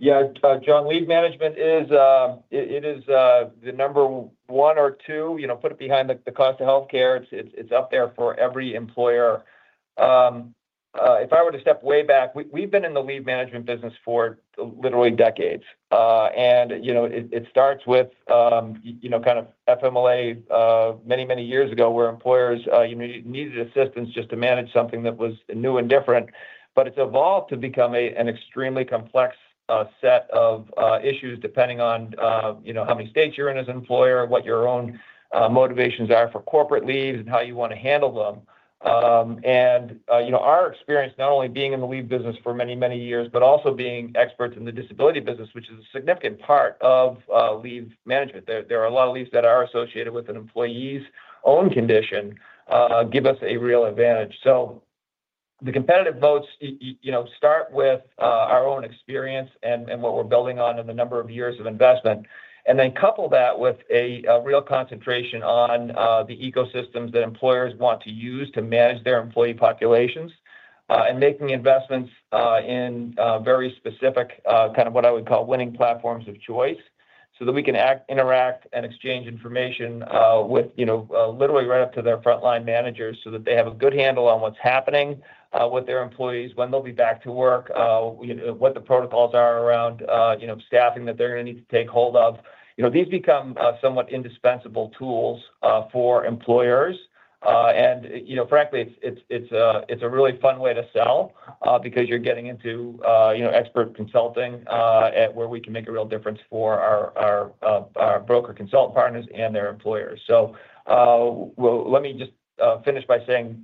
S3: Yeah, John, leave management is the number one or two. Put it behind the cost of healthcare. It's up there for every employer. If I were to step way back, we've been in the leave management business for literally decades, and it starts with kind of FMLA many, many years ago where employers needed assistance just to manage something that was new and different, but it's evolved to become an extremely complex set of issues depending on how many states you're in as an employer, what your own motivations are for corporate leaves, and how you want to handle them, and our experience, not only being in the leave business for many, many years, but also being experts in the disability business, which is a significant part of leave management. There are a lot of leaves that are associated with an employee's own condition, give us a real advantage. So the competitive moats start with our own experience and what we're building on and the number of years of investment. And then couple that with a real concentration on the ecosystems that employers want to use to manage their employee populations and making investments in very specific kind of what I would call winning platforms of choice so that we can interact and exchange information with literally right up to their frontline managers so that they have a good handle on what's happening with their employees, when they'll be back to work, what the protocols are around staffing that they're going to need to take hold of. These become somewhat indispensable tools for employers. And frankly, it's a really fun way to sell because you're getting into expert consulting where we can make a real difference for our broker consultant partners and their employers. So let me just finish by saying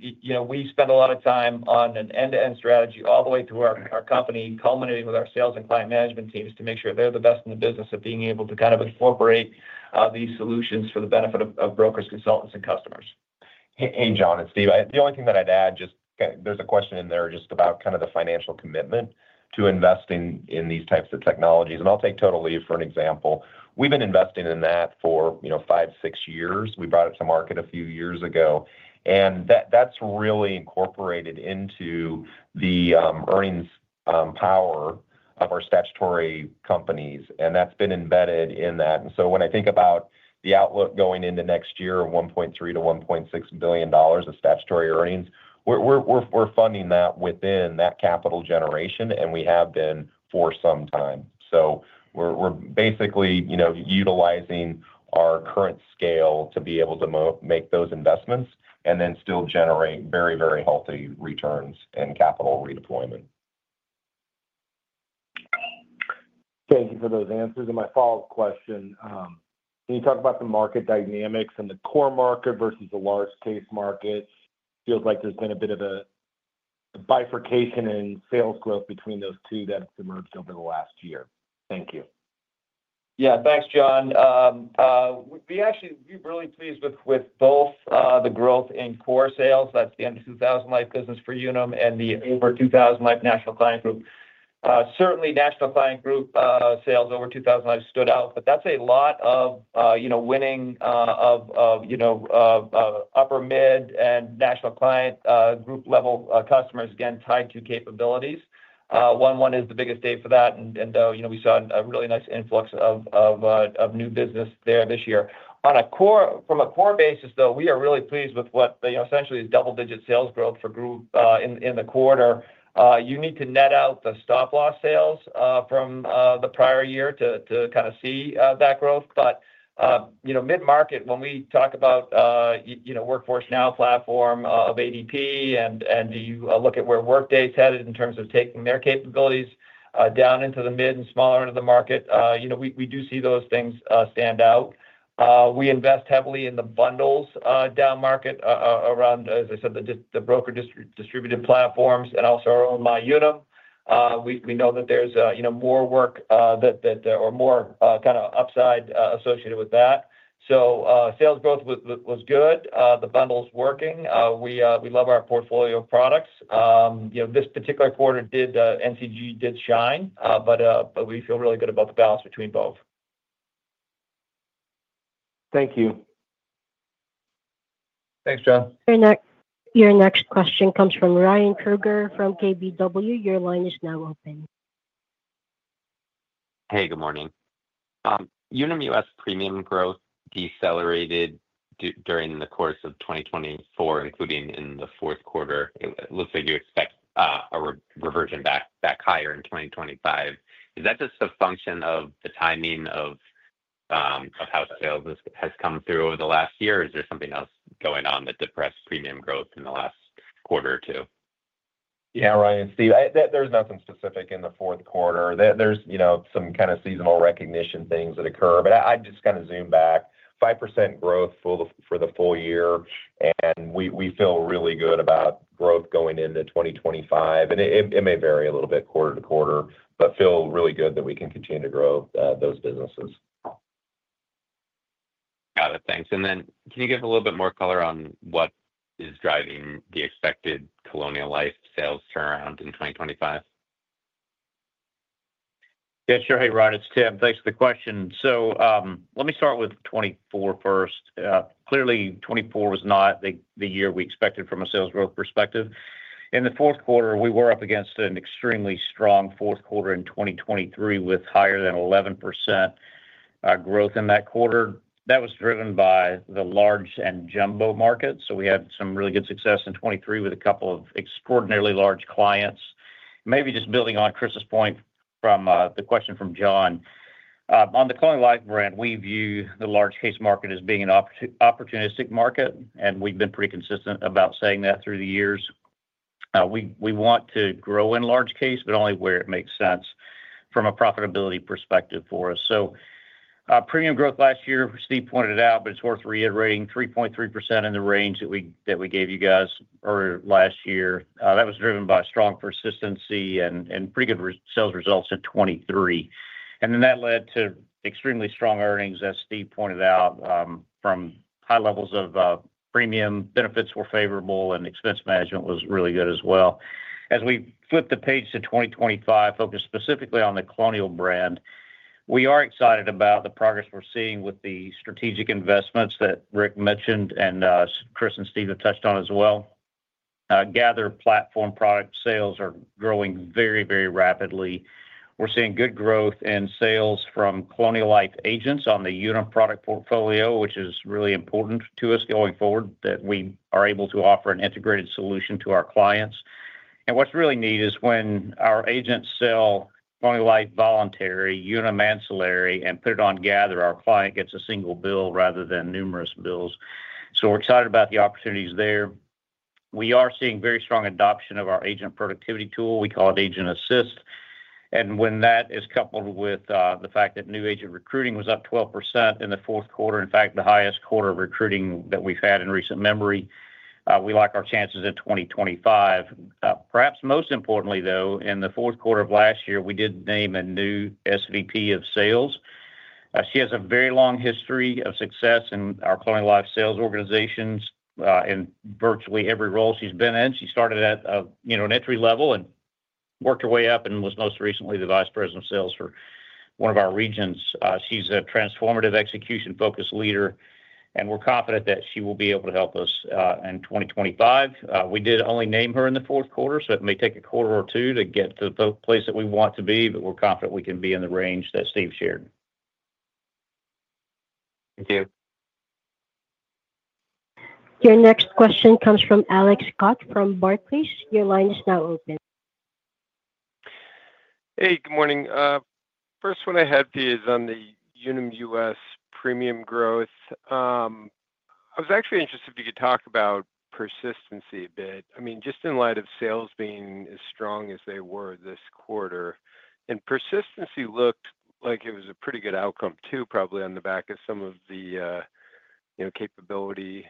S3: we spend a lot of time on an end-to-end strategy all the way through our company, culminating with our sales and client management teams to make sure they're the best in the business of being able to kind of incorporate these solutions for the benefit of brokers, consultants, and customers.
S4: Hey, John and Steve, the only thing that I'd add, just there's a question in there just about kind of the financial commitment to investing in these types of technologies. And I'll take Total Leave for an example. We've been investing in that for five, six years. We brought it to market a few years ago. And that's really incorporated into the earnings power of our statutory companies. And that's been embedded in that. And so when I think about the outlook going into next year, $1.3-$1.6 billion of statutory earnings, we're funding that within that capital generation, and we have been for some time. So we're basically utilizing our current scale to be able to make those investments and then still generate very, very healthy returns and capital redeployment.
S10: Thank you for those answers. And my follow-up question, can you talk about the market dynamics and the core market versus the large case market? Feels like there's been a bit of a bifurcation in sales growth between those two that's emerged over the last year. Thank you.
S3: Yeah, thanks, John. We're actually really pleased with both the growth in core sales. That's the under-2000 life business for Unum and the over-2000 life National Client Group. Certainly, National Client Group sales over 2,000 lives stood out, but that's a lot of winning of upper mid- and National Client Group-level customers, again, tied to capabilities. Illinois is the biggest state for that, and we saw a really nice influx of new business there this year. From a core basis, though, we are really pleased with what essentially is double-digit sales growth for group in the quarter. You need to net out the stop-loss sales from the prior year to kind of see that growth. But mid-market, when we talk about Workforce Now platform of ADP and you look at where Workday is headed in terms of taking their capabilities down into the mid- and smaller end of the market, we do see those things stand out. We invest heavily in the bundles down market around, as I said, the broker distributed platforms and also our own MyUnum. We know that there's more work or more kind of upside associated with that. So sales growth was good. The bundle's working. We love our portfolio of products. This particular quarter, NCG did shine, but we feel really good about the balance between both.
S10: Thank you.
S4: Thanks, John.
S1: Your next question comes from Ryan Krueger from KBW. Your line is now open.
S11: Hey, good morning. Unum U.S. premium growth decelerated during the course of 2024, including in the fourth quarter. It looks like you expect a reversion back higher in 2025. Is that just a function of the timing of how sales has come through over the last year, or is there something else going on that depressed premium growth in the last quarter or two?
S4: Yeah, Ryan it's Steve, there's nothing specific in the fourth quarter. There's some kind of seasonal recognition things that occur, but I'd just kind of zoom back. 5% growth for the full year, and we feel really good about growth going into 2025. And it may vary a little bit quarter to quarter, but feel really good that we can continue to grow those businesses.
S11: Got it. Thanks. And then can you give a little bit more color on what is driving the expected Colonial Life sales turnaround in 2025? Yeah, sure. Hey, Ryan, it's Tim. Thanks for the question. So let me start with 2024 first. Clearly, 2024 was not the year we expected from a sales growth perspective. In the fourth quarter, we were up against an extremely strong fourth quarter in 2023 with higher than 11% growth in that quarter. That was driven by the large and jumbo markets, so we had some really good success in 2023 with a couple of extraordinarily large clients. Maybe just building on Chris's point from the question from John, on the Colonial Life brand, we view the large case market as being an opportunistic market, and we've been pretty consistent about saying that through the years. We want to grow in large case, but only where it makes sense from a profitability perspective for us. So premium growth last year, Steve pointed it out, but it's worth reiterating 3.3% in the range that we gave you guys earlier last year. That was driven by strong persistency and pretty good sales results in 2023, and then that led to extremely strong earnings, as Steve pointed out, from high levels of premium benefits were favorable, and expense management was really good as well. As we flip the page to 2025, focus specifically on the Colonial brand, we are excited about the progress we're seeing with the strategic investments that Rick mentioned and Chris and Steve have touched on as well. Gathr platform product sales are growing very, very rapidly. We're seeing good growth in sales from Colonial Life agents on the Unum product portfolio, which is really important to us going forward that we are able to offer an integrated solution to our clients. And what's really neat is when our agents sell Colonial Life voluntary, Unum ancillary, and put it on Gathr, our client gets a single bill rather than numerous bills. So we're excited about the opportunities there. We are seeing very strong adoption of our agent productivity tool. We call it Agent Assist. And when that is coupled with the fact that new agent recruiting was up 12% in the fourth quarter, in fact, the highest quarter of recruiting that we've had in recent memory, we like our chances in 2025. Perhaps most importantly, though, in the fourth quarter of last year, we did name a new SVP of sales. She has a very long history of success in our Colonial Life sales organizations in virtually every role she's been in. She started at an entry level and worked her way up and was most recently the vice president of sales for one of our regions. She's a transformative execution-focused leader, and we're confident that she will be able to help us in 2025.
S4: We did only name her in the fourth quarter, so it may take a quarter or two to get to the place that we want to be, but we're confident we can be in the range that Steve shared.
S11: Thank you.
S1: Your next question comes from Alex Scott from Barclays. Your line is now open.
S12: Hey, good morning. First one I had for you is on the Unum U.S. premium growth. I was actually interested if you could talk about persistency a bit. I mean, just in light of sales being as strong as they were this quarter, and persistency looked like it was a pretty good outcome too, probably on the back of some of the capability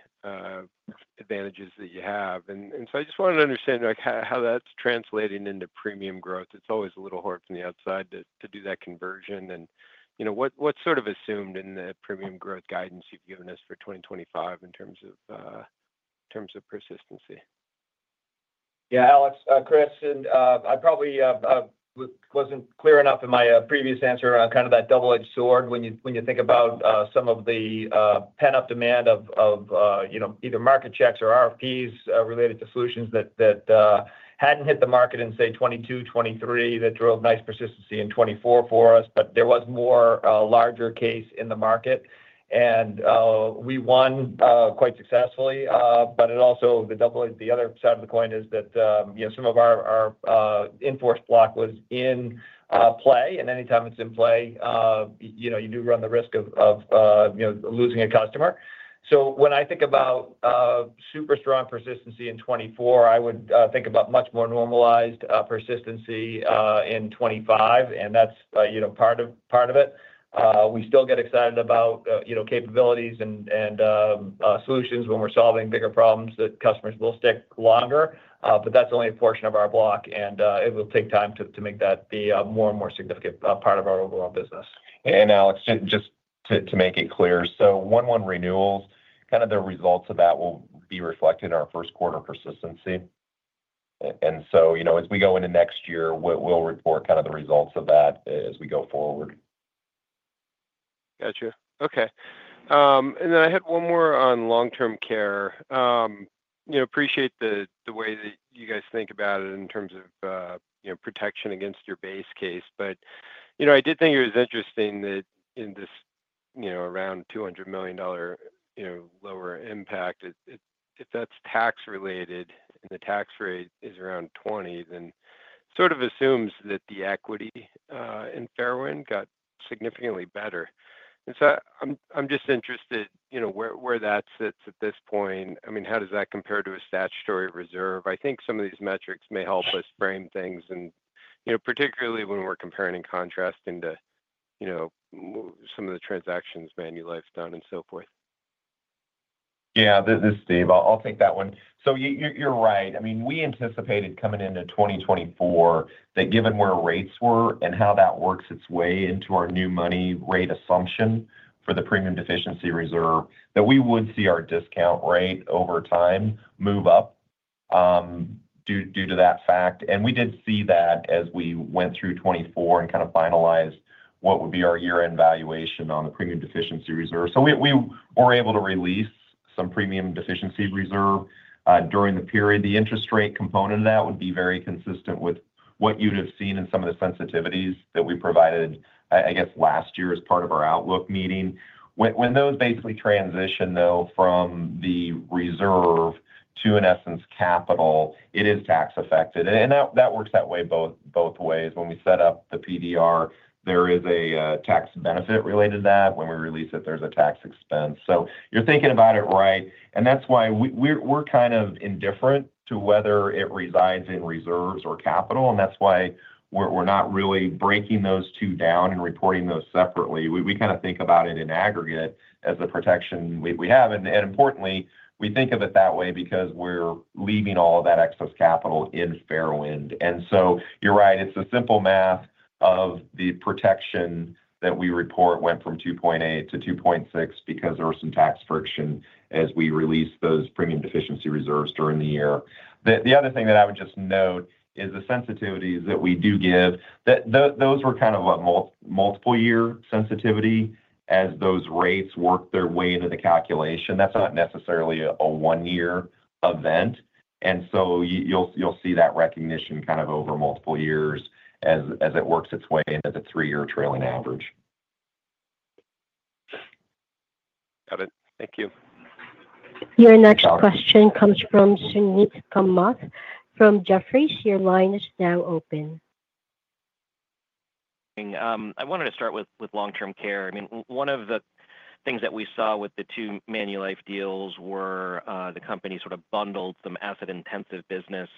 S12: advantages that you have. And so I just wanted to understand how that's translating into premium growth. It's always a little hard from the outside to do that conversion. What's sort of assumed in the premium growth guidance you've given us for 2025 in terms of persistency?
S3: Yeah, Alex. Chris and I probably wasn't clear enough in my previous answer on kind of that double-edged sword when you think about some of the pent-up demand of either market checks or RFPs related to solutions that hadn't hit the market in, say, 2022, 2023, that drove nice persistency in 2024 for us, but there was more larger case in the market. And we won quite successfully, but it also, the other side of the coin is that some of our in-force block was in play, and anytime it's in play, you do run the risk of losing a customer. So when I think about super strong persistency in 2024, I would think about much more normalized persistency in 2025, and that's part of it. We still get excited about capabilities and solutions when we're solving bigger problems that customers will stick longer, but that's only a portion of our block, and it will take time to make that be a more and more significant part of our overall business.
S4: And Alex, just to make it clear, so 11 renewals, kind of the results of that will be reflected in our first quarter persistency. And so as we go into next year, we'll report kind of the results of that as we go forward.
S12: Gotcha. Okay. And then I had one more on long-term care. appreciate the way that you guys think about it in terms of protection against your base case, but I did think it was interesting that in this around $200 million lower impact, if that's tax-related and the tax rate is around 20%, then sort of assumes that the equity in Fairwind got significantly better. And so I'm just interested where that sits at this point. I mean, how does that compare to a statutory reserve? I think some of these metrics may help us frame things, and particularly when we're comparing and contrasting to some of the transactions Manulife's done and so forth.
S4: Yeah, this is Steve. I'll take that one. So you're right. I mean, we anticipated coming into 2024 that given where rates were and how that works its way into our new money rate assumption for the Premium Deficiency Reserve, that we would see our discount rate over time move up due to that fact. And we did see that as we went through 2024 and kind of finalized what would be our year-end valuation on the Premium Deficiency Reserve. So we were able to release some Premium Deficiency Reserve during the period. The interest rate component of that would be very consistent with what you'd have seen in some of the sensitivities that we provided, I guess, last year as part of our outlook meeting. When those basically transition, though, from the reserve to, in essence, capital, it is tax-affected. And that works that way both ways. When we set up the PDR, there is a tax benefit related to that. When we release it, there's a tax expense. So you're thinking about it right, and that's why we're kind of indifferent to whether it resides in reserves or capital, and that's why we're not really breaking those two down and reporting those separately. We kind of think about it in aggregate as the protection we have. Importantly, we think of it that way because we're leaving all of that excess capital in Fairwind Insurance Company. So you're right. It's a simple math of the protection that we report went from 2.8-2.6 because there was some tax friction as we released those premium deficiency reserves during the year. The other thing that I would just note is the sensitivities that we do give. Those were kind of a multiple-year sensitivity as those rates work their way into the calculation. That's not necessarily a one-year event, and so you'll see that recognition kind of over multiple years as it works its way into the three-year trailing average.
S12: Got it. Thank you.
S1: Your next question comes from Suneet Kamath from Jefferies. Your line is now open.
S13: I wanted to start with long-term care. I mean, one of the things that we saw with the two Manulife deals were the company sort of bundled some asset-intensive business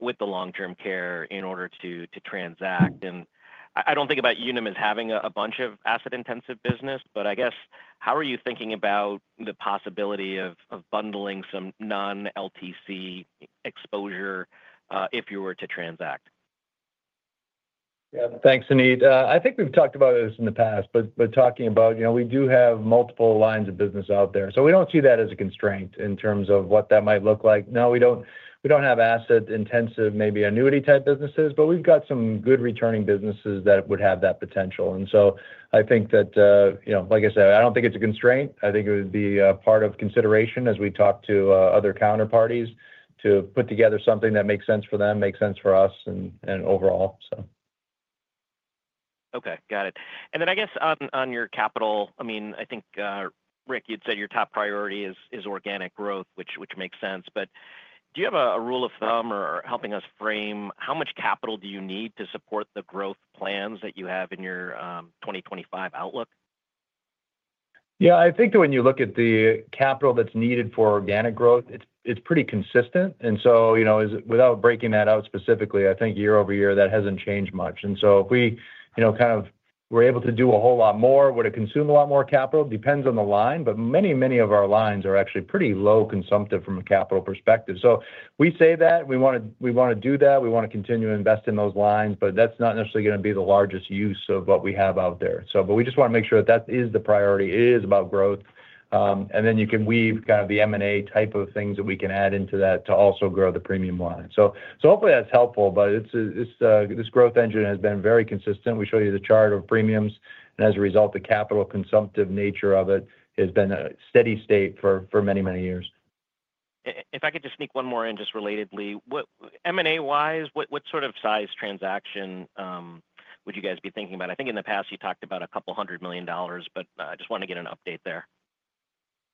S13: with the long-term care in order to transact. And I don't think about Unum as having a bunch of asset-intensive business, but I guess how are you thinking about the possibility of bundling some non-LTC exposure if you were to transact?
S3: Yeah, thanks, Suneet. I think we've talked about this in the past, but talking about we do have multiple lines of business out there. So we don't see that as a constraint in terms of what that might look like. No, we don't have asset-intensive, maybe annuity-type businesses, but we've got some good returning businesses that would have that potential. And so I think that, like I said, I don't think it's a constraint. I think it would be a part of consideration as we talk to other counterparties to put together something that makes sense for them, makes sense for us, and overall, so.
S13: Okay. Got it. And then I guess on your capital, I mean, I think, Rick, you'd said your top priority is organic growth, which makes sense, but do you have a rule of thumb or helping us frame how much capital do you need to support the growth plans that you have in your 2025 outlook?
S3: Yeah, I think when you look at the capital that's needed for organic growth, it's pretty consistent. And so without breaking that out specifically, I think year over year, that hasn't changed much. And so if we kind of were able to do a whole lot more, would it consume a lot more capital? Depends on the line, but many, many of our lines are actually pretty low consumptive from a capital perspective. So we say that we want to do that. We want to continue to invest in those lines, but that's not necessarily going to be the largest use of what we have out there, but we just want to make sure that that is the priority. It is about growth, and then you can weave kind of the M&A type of things that we can add into that to also grow the premium line, so hopefully that's helpful, but this growth engine has been very consistent. We show you the chart of premiums, and as a result, the capital consumptive nature of it has been a steady state for many, many years.
S13: If I could just sneak one more in just relatedly, M&A-wise, what sort of size transaction would you guys be thinking about? I think in the past, you talked about $200 million, but I just wanted to get an update there.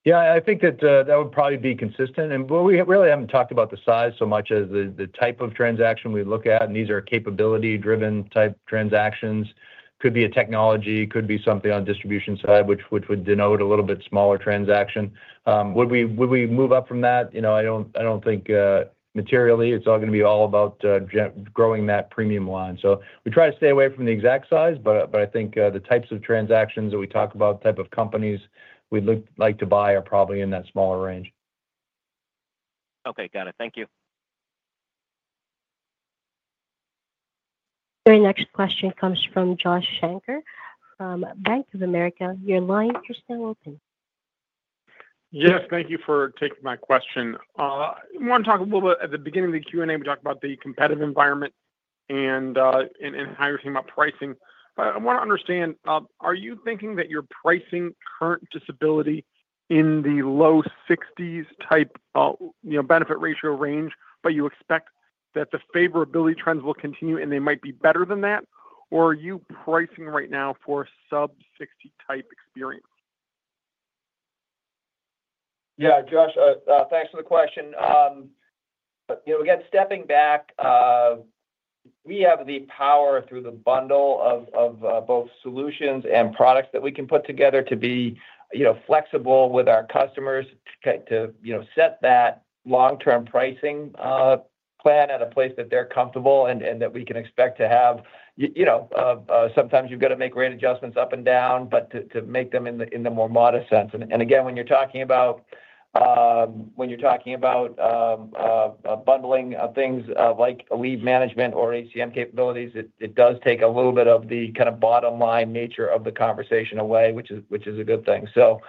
S3: Yeah, I think that that would probably be consistent. And we really haven't talked about the size so much as the type of transaction we look at, and these are capability-driven type transactions. Could be a technology, could be something on the distribution side, which would denote a little bit smaller transaction. Would we move up from that? I don't think materially it's all going to be all about growing that premium line. So we try to stay away from the exact size, but I think the types of transactions that we talk about, the type of companies we'd like to buy are probably in that smaller range.
S13: Okay. Got it. Thank you.
S1: Your next question comes from Josh Shanker from Bank of America. Your line is now open.
S14: Yes, thank you for taking my question. I want to talk a little bit at the beginning of the Q&A. We talked about the competitive environment and how you're thinking about pricing. But I want to understand, are you thinking that your pricing current disability in the low 60s type benefit ratio range, but you expect that the favorability trends will continue and they might be better than that, or are you pricing right now for a sub-60 type experience?
S3: Yeah, Josh, thanks for the question. Again, stepping back, we have the power through the bundle of both solutions and products that we can put together to be flexible with our customers to set that long-term pricing plan at a place that they're comfortable and that we can expect to have. Sometimes you've got to make rate adjustments up and down, but to make them in the more modest sense. Again, when you're talking about bundling things like leave management or HCM capabilities, it does take a little bit of the kind of bottom-line nature of the conversation away, which is a good thing. So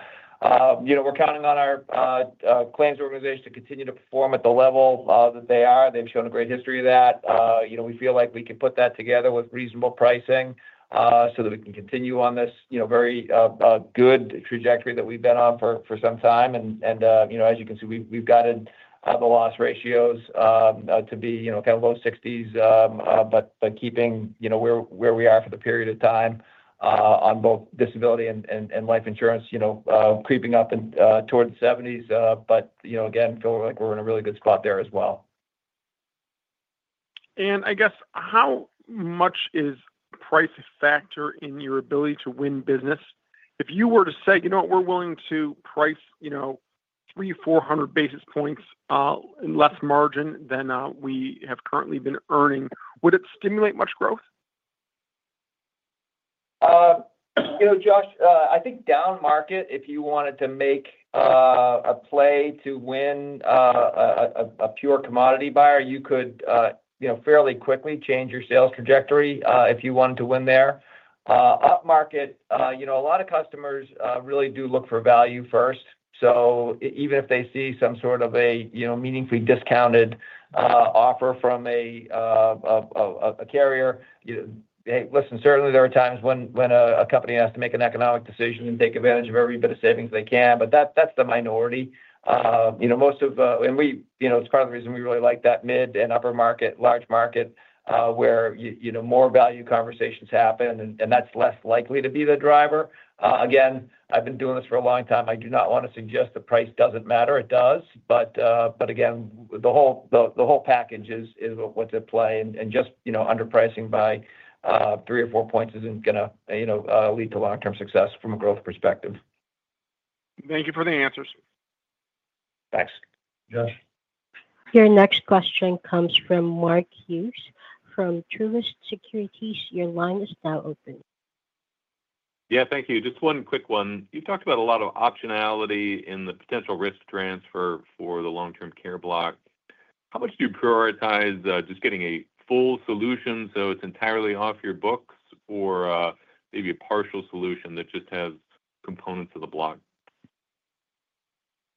S3: we're counting on our claims organization to continue to perform at the level that they are. They've shown a great history of that. We feel like we can put that together with reasonable pricing so that we can continue on this very good trajectory that we've been on for some time. As you can see, we've gotten the loss ratios to be kind of low 60s, but keeping where we are for the period of time on both disability and life insurance creeping up toward the 70s. Again, feel like we're in a really good spot there as well.
S14: I guess how much is price a factor in your ability to win business? If you were to say, "You know what? We're willing to price 3,400 basis points in less margin than we have currently been earning," would it stimulate much growth?
S15: Josh, I think down market, if you wanted to make a play to win a pure commodity buyer, you could fairly quickly change your sales trajectory if you wanted to win there. Up market, a lot of customers really do look for value first. So even if they see some sort of a meaningfully discounted offer from a carrier, hey, listen, certainly there are times when a company has to make an economic decision and take advantage of every bit of savings they can, but that's the minority. Most of the, and it's part of the reason we really like that mid and upper market, large market, where more value conversations happen, and that's less likely to be the driver. Again, I've been doing this for a long time. I do not want to suggest the price doesn't matter. It does. But again, the whole package is what's at play, and just underpricing by three or four points isn't going to lead to long-term success from a growth perspective.
S14: Thank you for the answers.
S5: Thanks. Josh.
S1: Your next question comes from Mark Hughes from Truist Securities. Your line is now open.
S16: Yeah, thank you. Just one quick one. You talked about a lot of optionality in the potential risk transfer for the long-term care block. How much do you prioritize just getting a full solution so it's entirely off your books or maybe a partial solution that just has components of the block?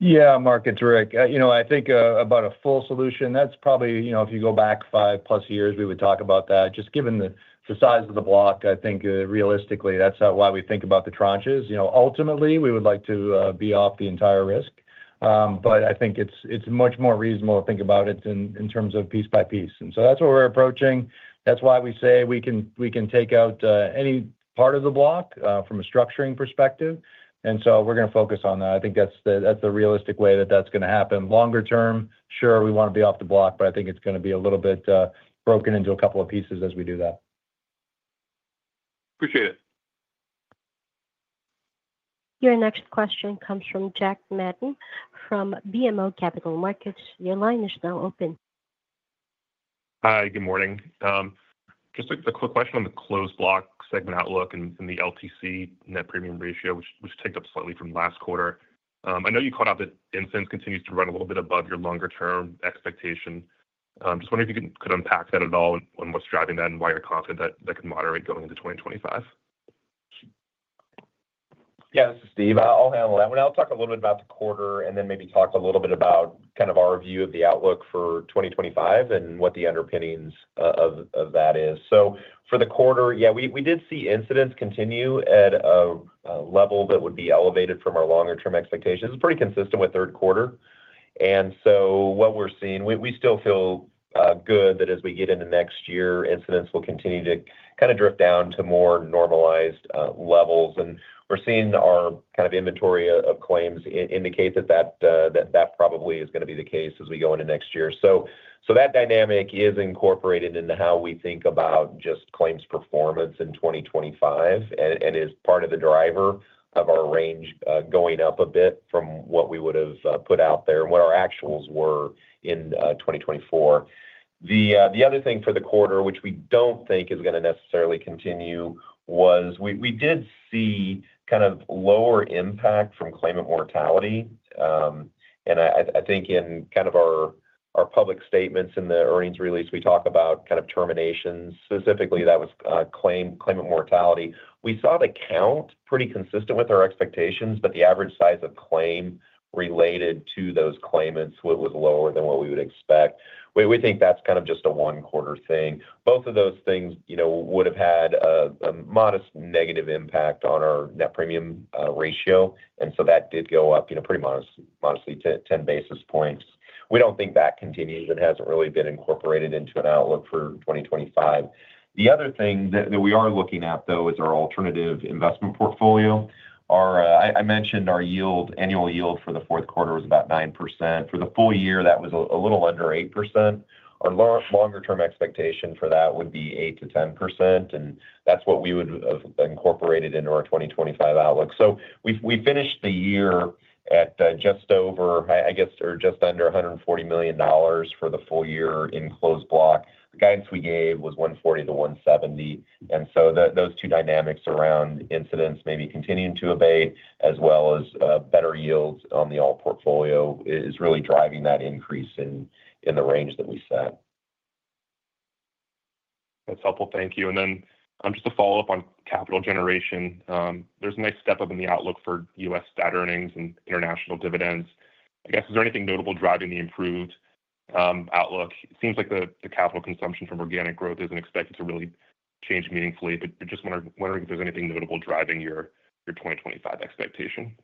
S3: Yeah, Mark, it's Rick. I think about a full solution, that's probably if you go back five-plus years, we would talk about that. Just given the size of the block, I think realistically, that's why we think about the tranches. Ultimately, we would like to be off the entire risk, but I think it's much more reasonable to think about it in terms of piece by piece. And so that's what we're approaching. That's why we say we can take out any part of the block from a structuring perspective. And so we're going to focus on that. I think that's the realistic way that that's going to happen. Longer term, sure, we want to be off the block, but I think it's going to be a little bit broken into a couple of pieces as we do that.
S16: Appreciate it.
S1: Your next question comes from Jack Madden from BMO Capital Markets. Your line is now open.
S17: Hi, good morning. Just a quick question on the Closed Block segment outlook and the LTC net premium ratio, which ticked up slightly from last quarter. I know you called out that expenses continues to run a little bit above your longer-term expectation. Just wondering if you could unpack that at all and what's driving that and why you're confident that can moderate going into 2025.
S4: Yeah, this is Steve. I'll handle that one. I'll talk a little bit about the quarter and then maybe talk a little bit about kind of our view of the outlook for 2025 and what the underpinnings of that is, so for the quarter, yeah, we did see incidence continue at a level that would be elevated from our longer-term expectations. It's pretty consistent with third quarter, and so what we're seeing, we still feel good that as we get into next year, incidence will continue to kind of drift down to more normalized levels, and we're seeing our kind of inventory of claims indicate that that probably is going to be the case as we go into next year. That dynamic is incorporated into how we think about just claims performance in 2025 and is part of the driver of our range going up a bit from what we would have put out there and what our actuals were in 2024. The other thing for the quarter, which we don't think is going to necessarily continue, was we did see kind of lower impact from claimant mortality. And I think in kind of our public statements in the earnings release, we talk about kind of terminations. Specifically, that was claimant mortality. We saw the count pretty consistent with our expectations, but the average size of claim related to those claimants was lower than what we would expect. We think that's kind of just a one-quarter thing. Both of those things would have had a modest negative impact on our Net Premium Ratio, and so that did go up pretty modestly, 10 basis points. We don't think that continues and hasn't really been incorporated into an outlook for 2025. The other thing that we are looking at, though, is our alternative investment portfolio. I mentioned our annual yield for the fourth quarter was about 9%. For the full year, that was a little under 8%. Our longer-term expectation for that would be 8%-10%, and that's what we would have incorporated into our 2025 outlook, so we finished the year at just over, I guess, or just under $140 million for the full year in Closed Block. The guidance we gave was $140 million-$170 million. And so those two dynamics around incidence may be continuing to abate, as well as better yields on the alt portfolio is really driving that increase in the range that we set.
S17: That's helpful. Thank you. And then just a follow-up on capital generation. There's a nice step up in the outlook for U.S. stat earnings and international dividends. I guess, is there anything notable driving the improved outlook? It seems like the capital consumption from organic growth isn't expected to really change meaningfully, but just wondering if there's anything notable driving your 2025 expectation.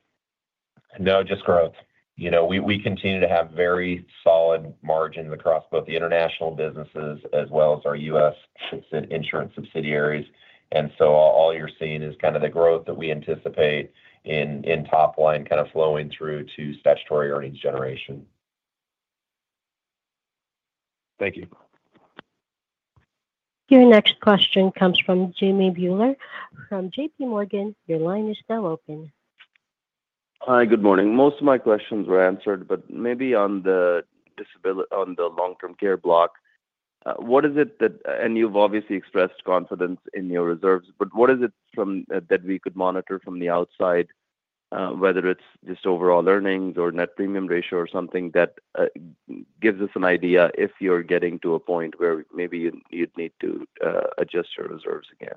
S4: No, just growth. We continue to have very solid margins across both the international businesses as well as our U.S. insurance subsidiaries. And so all you're seeing is kind of the growth that we anticipate in top line kind of flowing through to statutory earnings generation.
S17: Thank you.
S1: Your next question comes from Jimmy Bhullar from JPMorgan. Your line is now open.
S18: Hi, good morning. Most of my questions were answered, but maybe on the long-term care block, what is it that, and you've obviously expressed confidence in your reserves, but what is it that we could monitor from the outside, whether it's just overall earnings or net premium ratio or something that gives us an idea if you're getting to a point where maybe you'd need to adjust your reserves again?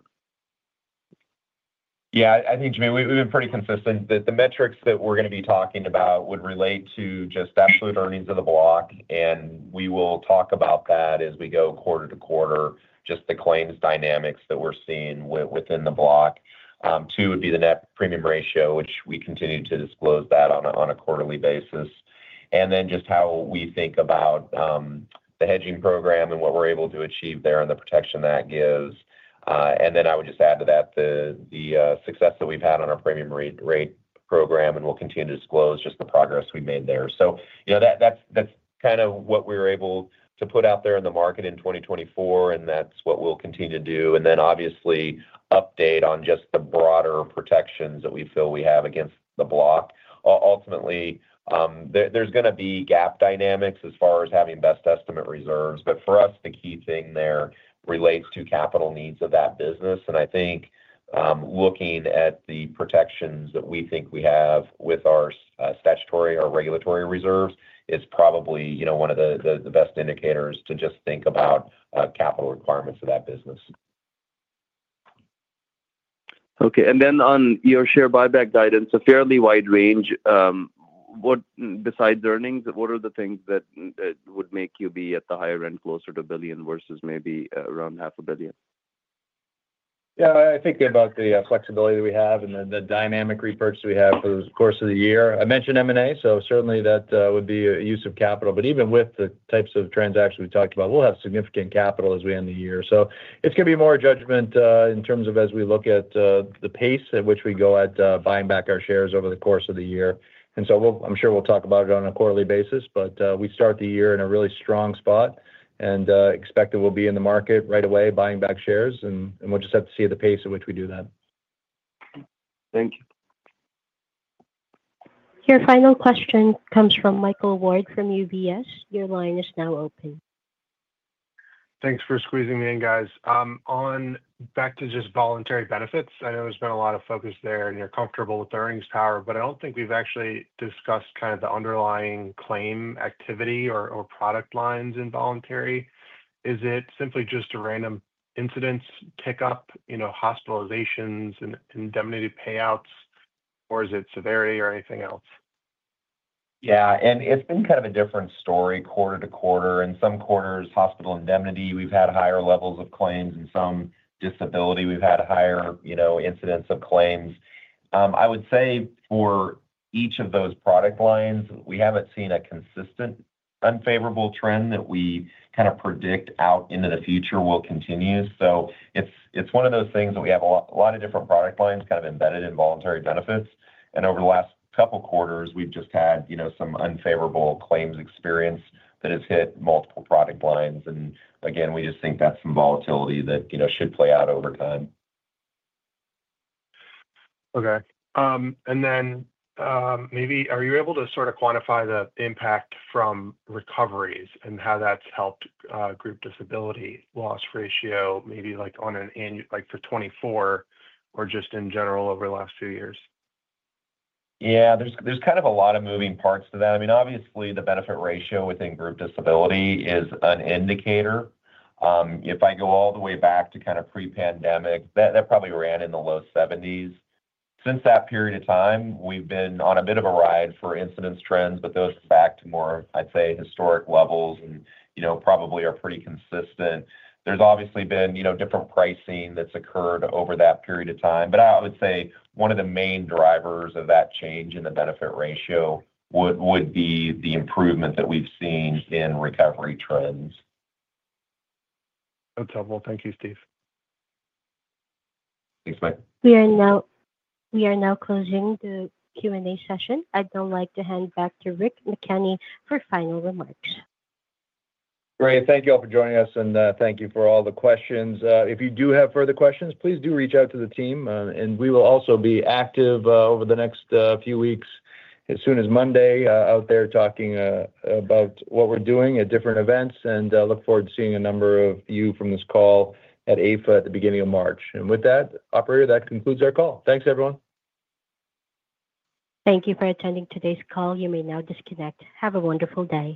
S4: Yeah, I think, Jimmy, we've been pretty consistent. The metrics that we're going to be talking about would relate to just absolute earnings of the block, and we will talk about that as we go quarter to quarter, just the claims dynamics that we're seeing within the block. Too would be the net premium ratio, which we continue to disclose that on a quarterly basis. And then just how we think about the hedging program and what we're able to achieve there and the protection that gives. And then I would just add to that the success that we've had on our premium rate program, and we'll continue to disclose just the progress we've made there. So that's kind of what we were able to put out there in the market in 2024, and that's what we'll continue to do. And then, obviously, update on just the broader protections that we feel we have against the block. Ultimately, there's going to be gap dynamics as far as having best estimate reserves. But for us, the key thing there relates to capital needs of that business. I think looking at the protections that we think we have with our statutory or regulatory reserves is probably one of the best indicators to just think about capital requirements of that business.
S18: Okay. And then on your share buyback guidance, a fairly wide range. Besides earnings, what are the things that would make you be at the higher end, closer to $1 billion versus maybe around $500 million?
S3: Yeah, I think about the flexibility that we have and then the dynamic repurchase we have for the course of the year. I mentioned M&A, so certainly that would be a use of capital. But even with the types of transactions we talked about, we'll have significant capital as we end the year. So, it's going to be more judgment in terms of as we look at the pace at which we go at buying back our shares over the course of the year. And so, I'm sure we'll talk about it on a quarterly basis, but we start the year in a really strong spot and expect that we'll be in the market right away buying back shares, and we'll just have to see the pace at which we do that.
S18: Thank you.
S1: Your final question comes from Michael Ward from UBS. Your line is now open.
S19: Thanks for squeezing me in, guys. Back to just voluntary benefits. I know there's been a lot of focus there, and you're comfortable with earnings power, but I don't think we've actually discussed kind of the underlying claim activity or product lines in voluntary. Is it simply just a random incidence pickup, hospitalizations, indemnity payouts, or is it severity or anything else?
S4: Yeah. And it's been kind of a different story quarter to quarter. In some quarters, hospital indemnity, we've had higher levels of claims. In some disability, we've had higher incidence of claims. I would say for each of those product lines, we haven't seen a consistent unfavorable trend that we kind of predict out into the future will continue. So it's one of those things that we have a lot of different product lines kind of embedded in voluntary benefits. And over the last couple of quarters, we've just had some unfavorable claims experience that has hit multiple product lines. And again, we just think that's some volatility that should play out over time.
S19: Okay. And then maybe are you able to sort of quantify the impact from recoveries and how that's helped Group Disability loss ratio, maybe on an annual for 2024 or just in general over the last few years?
S4: Yeah. There's kind of a lot of moving parts to that. I mean, obviously, the benefit ratio within Group Disability is an indicator. If I go all the way back to kind of pre-pandemic, that probably ran in the low 70s. Since that period of time, we've been on a bit of a ride for incidence trends, but those are back to more, I'd say, historic levels and probably are pretty consistent. There's obviously been different pricing that's occurred over that period of time. But I would say one of the main drivers of that change in the benefit ratio would be the improvement that we've seen in recovery trends.
S19: That's helpful. Thank you, Steve.
S4: Thanks, Mike.
S1: We are now closing the Q&A session. I'd like to hand back to Rick McKenney for final remarks.
S3: Great. Thank you all for joining us, and thank you for all the questions. If you do have further questions, please do reach out to the team, and we will also be active over the next few weeks, as soon as Monday, out there talking about what we're doing at different events, and look forward to seeing a number of you from this call at AIFA at the beginning of March. And with that, operator, that concludes our call. Thanks, everyone.
S1: Thank you for attending today's call. You may now disconnect. Have a wonderful day.